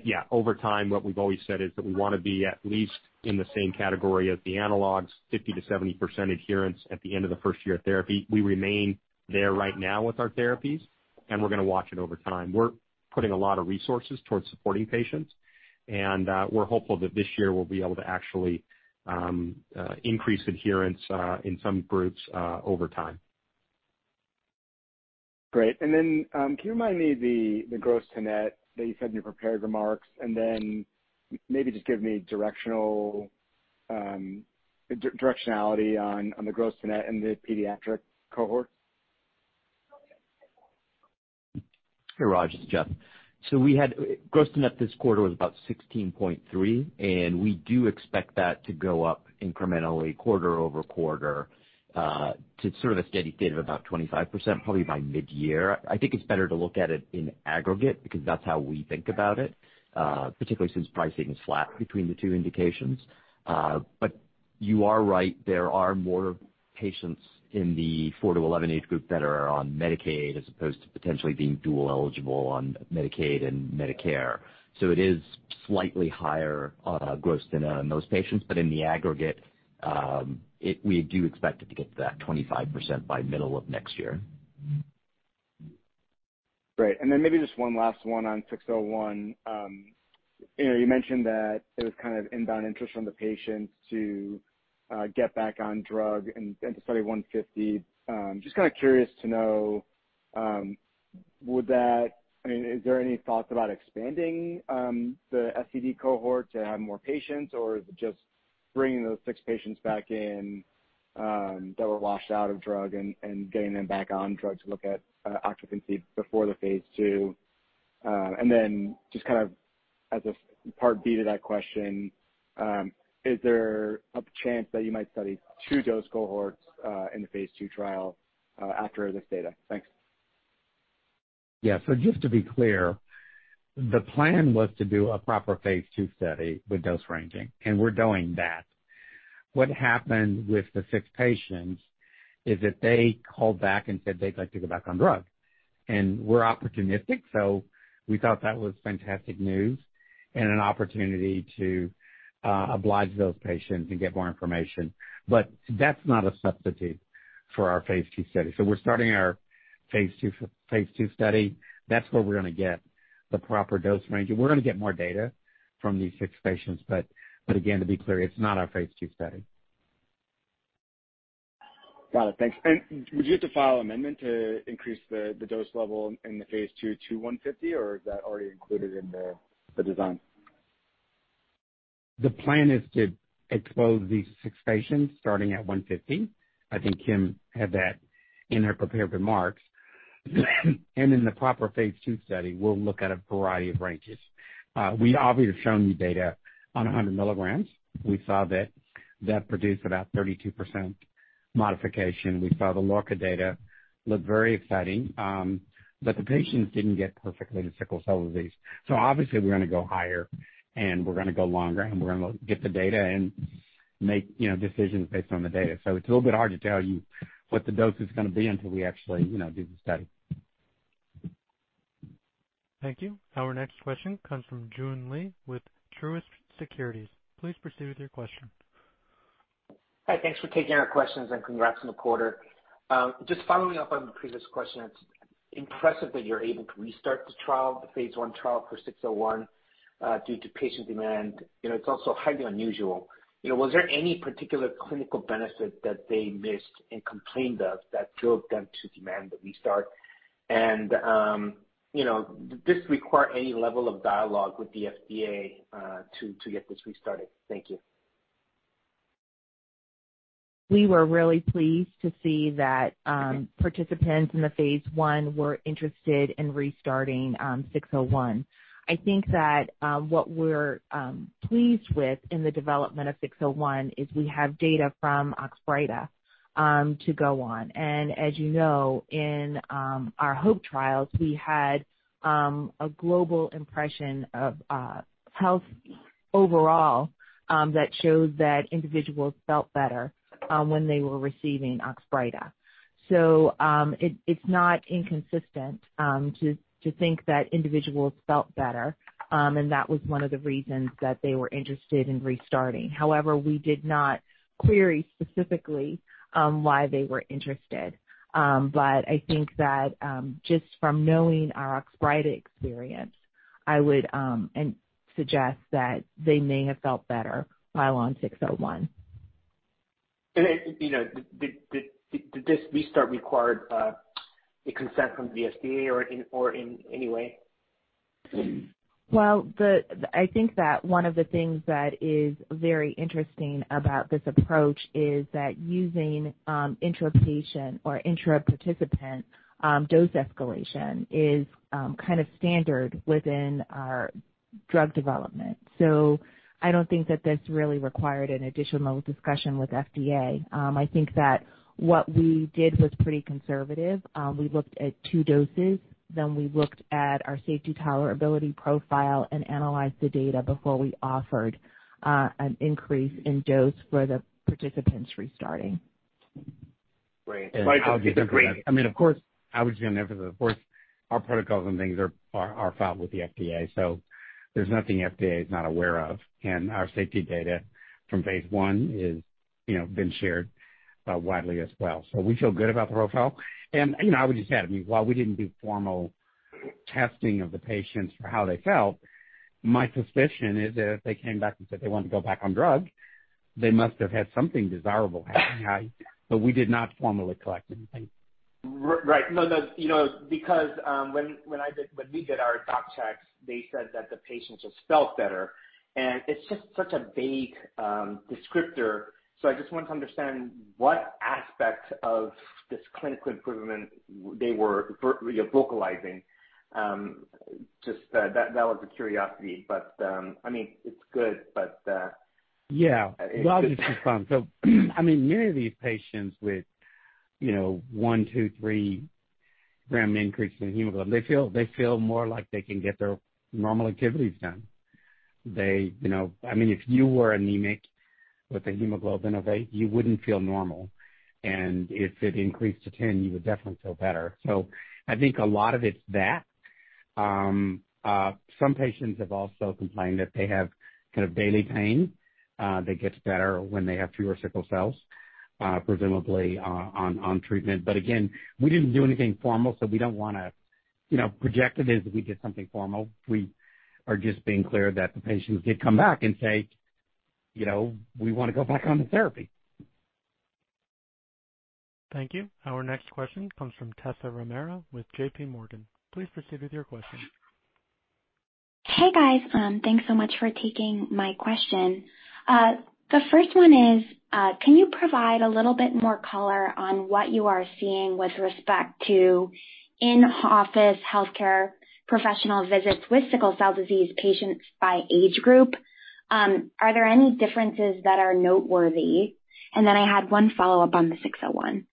yeah, over time, what we've always said is that we wanna be at least in the same category as the analogs, 50%-70% adherence at the end of the first year of therapy. We remain there right now with our therapies, and we're gonna watch it over time. We're putting a lot of resources towards supporting patients, and we're hopeful that this year we'll be able to actually increase adherence in some groups over time. Great. Can you remind me the gross to net that you said in your prepared remarks, and then maybe just give me directionality on the gross to net in the pediatric cohort? Hey, Raj, this is Jeff. We had gross-to-net this quarter was about 16.3, and we do expect that to go up incrementally quarter-over-quarter to sort of a steady state of about 25% probably by mid-year. I think it's better to look at it in aggregate because that's how we think about it, particularly since pricing is flat between the two indications. But you are right, there are more patients in the 4-11 age group that are on Medicaid as opposed to potentially being dual eligible on Medicaid and Medicare. It is slightly higher gross than most patients. But in the aggregate, we do expect it to get to that 25% by middle of next year. Great. Maybe just one last one on 601. You know, you mentioned that it was kind of inbound interest from the patients to get back on drug and to study 150. Just kind of curious to know, I mean, is there any thoughts about expanding the SCD cohort to have more patients, or is it just bringing those six patients back in that were washed out of drug and getting them back on drug to look at occupancy before the Phase 2? Just kind of as a part B to that question, is there a chance that you might study two dose cohorts in the Phase 2 trial after this data? Thanks. Yeah. Just to be clear, the plan was to do a proper Phase 2 study with dose ranging, and we're doing that. What happened with the six patients is that they called back and said they'd like to go back on drug. We're opportunistic, so we thought that was fantastic news and an opportunity to oblige those patients and get more information. That's not a substitute for our Phase 2 study. We're starting our Phase 2 study. That's where we're gonna get the proper dose ranging. We're gonna get more data from these six patients, but again, to be clear, it's not our Phase 2 study. Got it. Thanks. Would you have to file amendment to increase the dose level in the Phase 2 to 150, or is that already included in the design? The plan is to expose these six patients starting at 150. I think Kim had that in her prepared remarks. In the proper Phase 2 study, we'll look at a variety of ranges. We obviously have shown the data on 100 milligrams. We saw that produced about 32% modification. We saw the LoRRca data, looked very exciting, but the patients didn't get perfectly the sickle cell disease. Obviously we're gonna go higher, and we're gonna go longer, and we're gonna get the data and make, you know, decisions based on the data. It's a little bit hard to tell you what the dose is gonna be until we actually, you know, do the study. Thank you. Our next question comes from Joon Lee with Truist Securities. Please proceed with your question. Hi, thanks for taking our questions and congrats on the quarter. Just following up on the previous question, it's impressive that you're able to restart the trial, the Phase 1 trial for 601, due to patient demand. It's also highly unusual. Was there any particular clinical benefit that they missed and complained of that drove them to demand the restart? You know, did this require any level of dialogue with the FDA, to get this restarted? Thank you. We were really pleased to see that, participants in the Phase 1 were interested in restarting, 601. I think that, what we're pleased with in the development of 601 is we have data from Oxbryta, to go on. As you know, in our HOPE trials, we had a global impression of health overall that showed that individuals felt better when they were receiving Oxbryta. It's not inconsistent to think that individuals felt better and that was one of the reasons that they were interested in restarting. However, we did not query specifically why they were interested. I think that, just from knowing our Oxbryta experience, I would suggest that they may have felt better while on 601. You know, did this restart require a consent from the FDA or in any way? I think that one of the things that is very interesting about this approach is that using intra-patient or intra-participant dose escalation is kind of standard within our drug development. I don't think that this really required an additional discussion with FDA. I think that what we did was pretty conservative. We looked at two doses, then we looked at our safety tolerability profile and analyzed the data before we offered an increase in dose for the participants restarting. Great. I'll just add to that. I mean, of course, I would just emphasize, of course, our protocols and things are filed with the FDA, so there's nothing FDA is not aware of. Our safety data from Phase 1 is, you know, been shared widely as well. We feel good about the profile. You know, I would just add, I mean, while we didn't do formal Testing of the patients for how they felt. My suspicion is that if they came back and said they wanted to go back on drug, they must have had something desirable happening. We did not formally collect anything. Right. No, no. You know, because when we did our doc checks, they said that the patients just felt better. It's just such a vague descriptor. I just want to understand what aspect of this clinical improvement they were vocalizing. Just that was a curiosity, but I mean, it's good, but. Well, it's just fun. I mean, many of these patients with, you know, one, two, three gram increase in hemoglobin, they feel more like they can get their normal activities done. They, you know, I mean, if you were anemic with a hemoglobin of eight, you wouldn't feel normal. If it increased to 10, you would definitely feel better. I think a lot of it's that. Some patients have also complained that they have kind of daily pain that gets better when they have fewer sickle cells, presumably on treatment. Again, we didn't do anything formal, so we don't wanna, you know, project it as if we did something formal. We are just being clear that the patients did come back and say, you know, "We wanna go back on the therapy. Thank you. Our next question comes from Tessa Romero with JPMorgan. Please proceed with your question. Hey, guys. Thanks so much for taking my question. The first one is, can you provide a little bit more color on what you are seeing with respect to in-office healthcare professional visits with sickle cell disease patients by age group? Are there any differences that are noteworthy? I had one follow-up on the 601.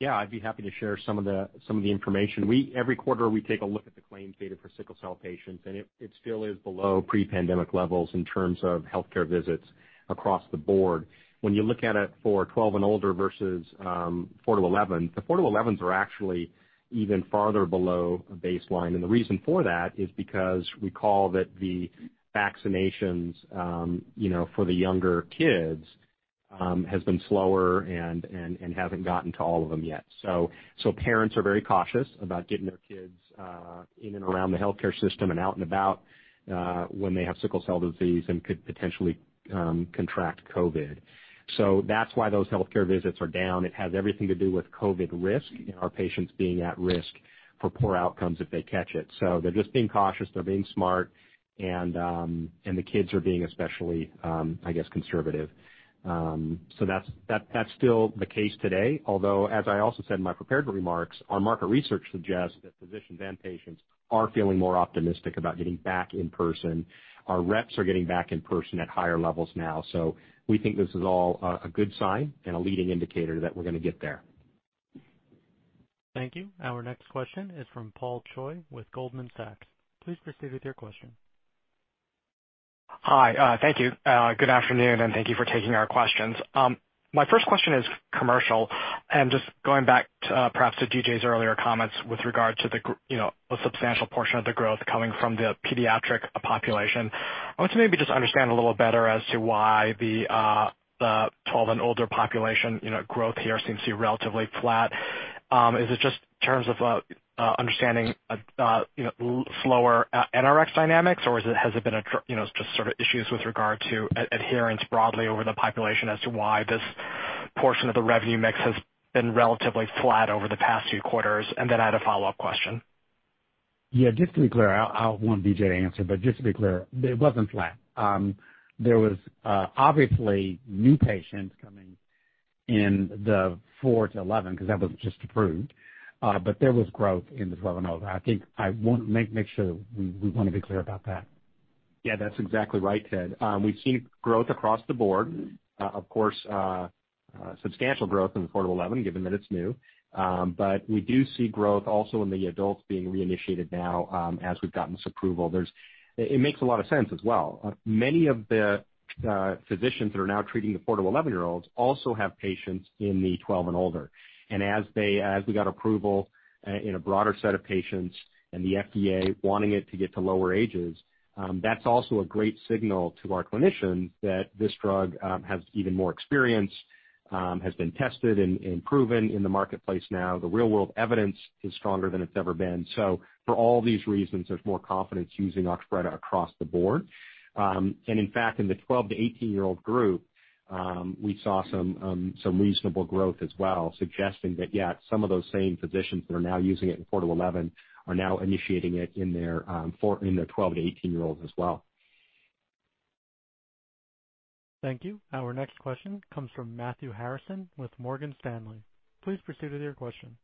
Yeah, I'd be happy to share some of the information. Every quarter, we take a look at the claims data for sickle cell patients, and it still is below pre-pandemic levels in terms of healthcare visits across the board. When you look at it for 12 and older versus 4-11, the 4-11s are actually even farther below baseline. The reason for that is because recall that the vaccinations, you know, for the younger kids, has been slower and haven't gotten to all of them yet. Parents are very cautious about getting their kids in and around the healthcare system and out and about when they have sickle cell disease and could potentially contract COVID. That's why those healthcare visits are down. It has everything to do with COVID risk and our patients being at risk for poor outcomes if they catch it. They're just being cautious. They're being smart. The kids are being especially, I guess, conservative. That's still the case today. Although, as I also said in my prepared remarks, our market research suggests that physicians and patients are feeling more optimistic about getting back in person. Our reps are getting back in person at higher levels now. We think this is all a good sign and a leading indicator that we're gonna get there. Thank you. Our next question is from Paul Choi with Goldman Sachs. Please proceed with your question. Hi. Thank you. Good afternoon, and thank you for taking our questions. My first question is commercial. Just going back to, perhaps to DJ's earlier comments with regard to you know, a substantial portion of the growth coming from the pediatric population. I want to maybe just understand a little better as to why the 12 and older population, you know, growth here seems to be relatively flat. Is it just in terms of understanding you know, slower NRx dynamics, or has it been you know, just sort of issues with regard to adherence broadly over the population as to why this portion of the revenue mix has been relatively flat over the past few quarters? Then I had a follow-up question. Yeah. Just to be clear, I want DJ to answer, but just to be clear, it wasn't flat. There was obviously new patients coming in the 4-11 because that was just approved, but there was growth in the 12 and over. I think I want to make sure that we wanna be clear about that. Yeah, that's exactly right, Ted. We've seen growth across the board. Of course, substantial growth in the 4-11, given that it's new. But we do see growth also in the adults being reinitiated now, as we've gotten this approval. It makes a lot of sense as well. Many of the physicians that are now treating the 4-11 year olds also have patients in the 12 and older. As we got approval in a broader set of patients and the FDA wanting it to get to lower ages, that's also a great signal to our clinicians that this drug has even more experience, has been tested and proven in the marketplace now. The real-world evidence is stronger than it's ever been. For all these reasons, there's more confidence using Oxbryta across the board. In fact, in the 12-18-year-old group, we saw some reasonable growth as well, suggesting that, yeah, some of those same physicians that are now using it in 4-11 are now initiating it in their 12-18-year-olds as well. Thank you. Our next question comes from Matthew Harrison with Morgan Stanley. Please proceed with your question.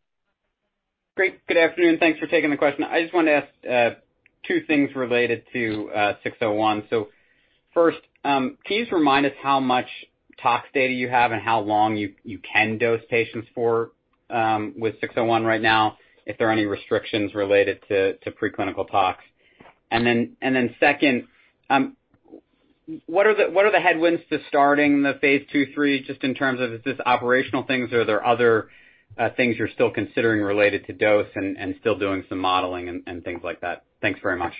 Great. Good afternoon. Thanks for taking the question. I just wanted to ask two things related to 601. First, can you just remind us how much tox data you have and how long you can dose patients for with 601 right now, if there are any restrictions related to preclinical tox? Second, what are the headwinds to starting the Phase 2/3, just in terms of is this operational things or are there other things you're still considering related to dose and still doing some modeling and things like that? Thanks very much.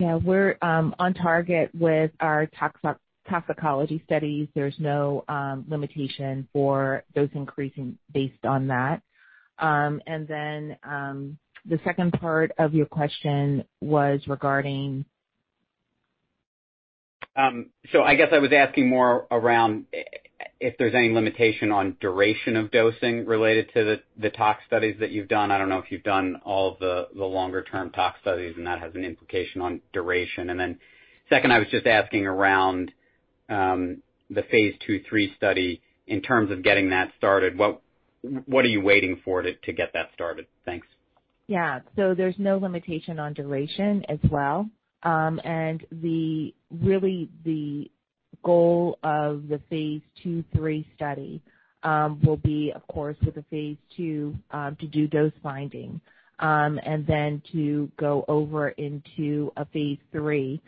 Yeah, we're on target with our toxicology studies. There's no limitation for dose increasing based on that. The second part of your question was regarding? I guess I was asking more around if there's any limitation on duration of dosing related to the tox studies that you've done. I don't know if you've done all the longer term tox studies, and that has an implication on duration. Second, I was just asking around the Phase 2-3 study in terms of getting that started, what are you waiting for to get that started? Thanks. Yeah. There's no limitation on duration as well. Really, the goal of the Phase 2-3 study will be, of course, with the Phase 2, to do dose finding, and then to go over into a Phase 3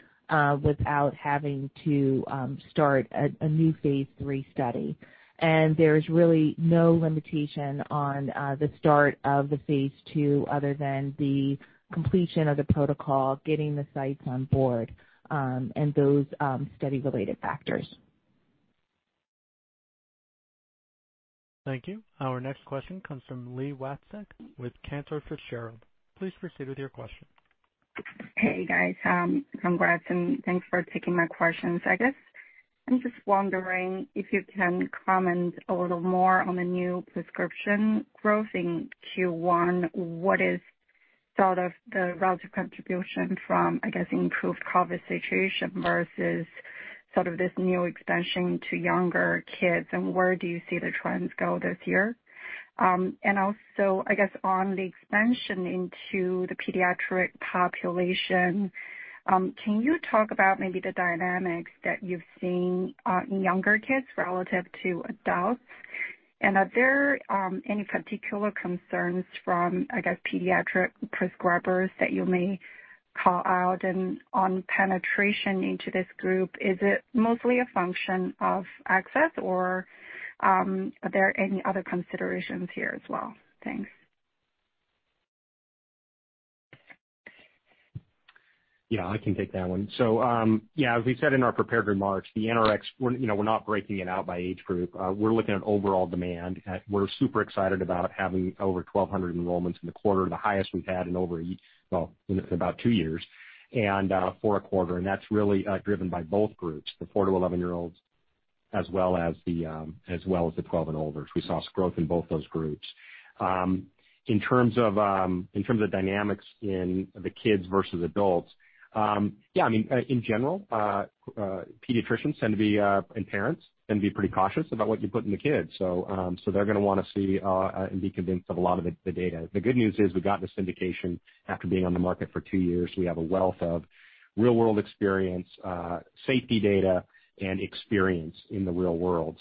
without having to start a new Phase 3 study. There is really no limitation on the start of the Phase 2 other than the completion of the protocol, getting the sites on board, and those study-related factors. Thank you. Our next question comes from Li Watsek with Cantor Fitzgerald. Please proceed with your question. Hey, guys. Congrats and thanks for taking my questions. I guess I'm just wondering if you can comment a little more on the new prescription growth in Q1. What is sort of the relative contribution from, I guess, improved COVID situation versus sort of this new expansion to younger kids, and where do you see the trends go this year? And also, I guess on the expansion into the pediatric population, can you talk about maybe the dynamics that you've seen in younger kids relative to adults? And are there any particular concerns from, I guess, pediatric prescribers that you may call out and on penetration into this group? Is it mostly a function of access or are there any other considerations here as well? Thanks. Yeah, I can take that one. Yeah, as we said in our prepared remarks, the NRx, we're not breaking it out by age group. We're looking at overall demand. We're super excited about having over 1,200 enrollments in the quarter, the highest we've had in about two years and for a quarter. That's really driven by both groups, the 4-11-year-olds as well as the 12 and older. We saw growth in both those groups. In terms of dynamics in the kids versus adults, yeah, I mean, in general, pediatricians tend to be and parents can be pretty cautious about what you put in the kids. They're gonna wanna see and be convinced of a lot of the data. The good news is we've gotten this indication after being on the market for two years. We have a wealth of real-world experience, safety data and experience in the real world.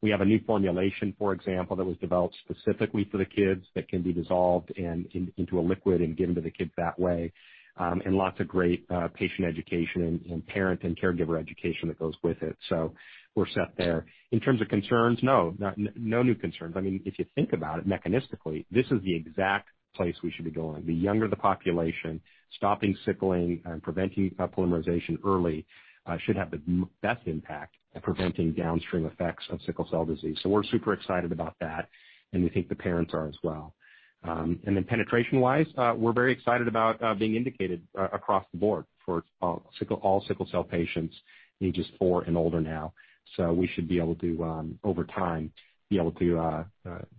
We have a new formulation, for example, that was developed specifically for the kids that can be dissolved into a liquid and given to the kids that way. And lots of great patient education and parent and caregiver education that goes with it. We're set there. In terms of concerns, no new concerns. I mean, if you think about it mechanistically, this is the exact place we should be going. The younger the population, stopping sickling and preventing polymerization early should have the best impact at preventing downstream effects of sickle cell disease. We're super excited about that, and we think the parents are as well. Penetration-wise, we're very excited about being indicated across the board for all sickle cell patients ages 4 and older now. We should be able to, over time,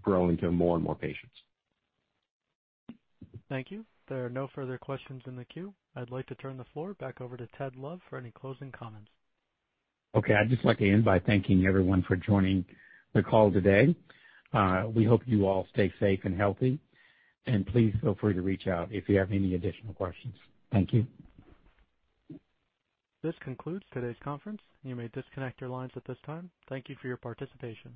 grow into more and more patients. Thank you. There are no further questions in the queue. I'd like to turn the floor back over to Ted Love for any closing comments. Okay. I'd just like to end by thanking everyone for joining the call today. We hope you all stay safe and healthy. Please feel free to reach out if you have any additional questions. Thank you. This concludes today's conference. You may disconnect your lines at this time. Thank you for your participation.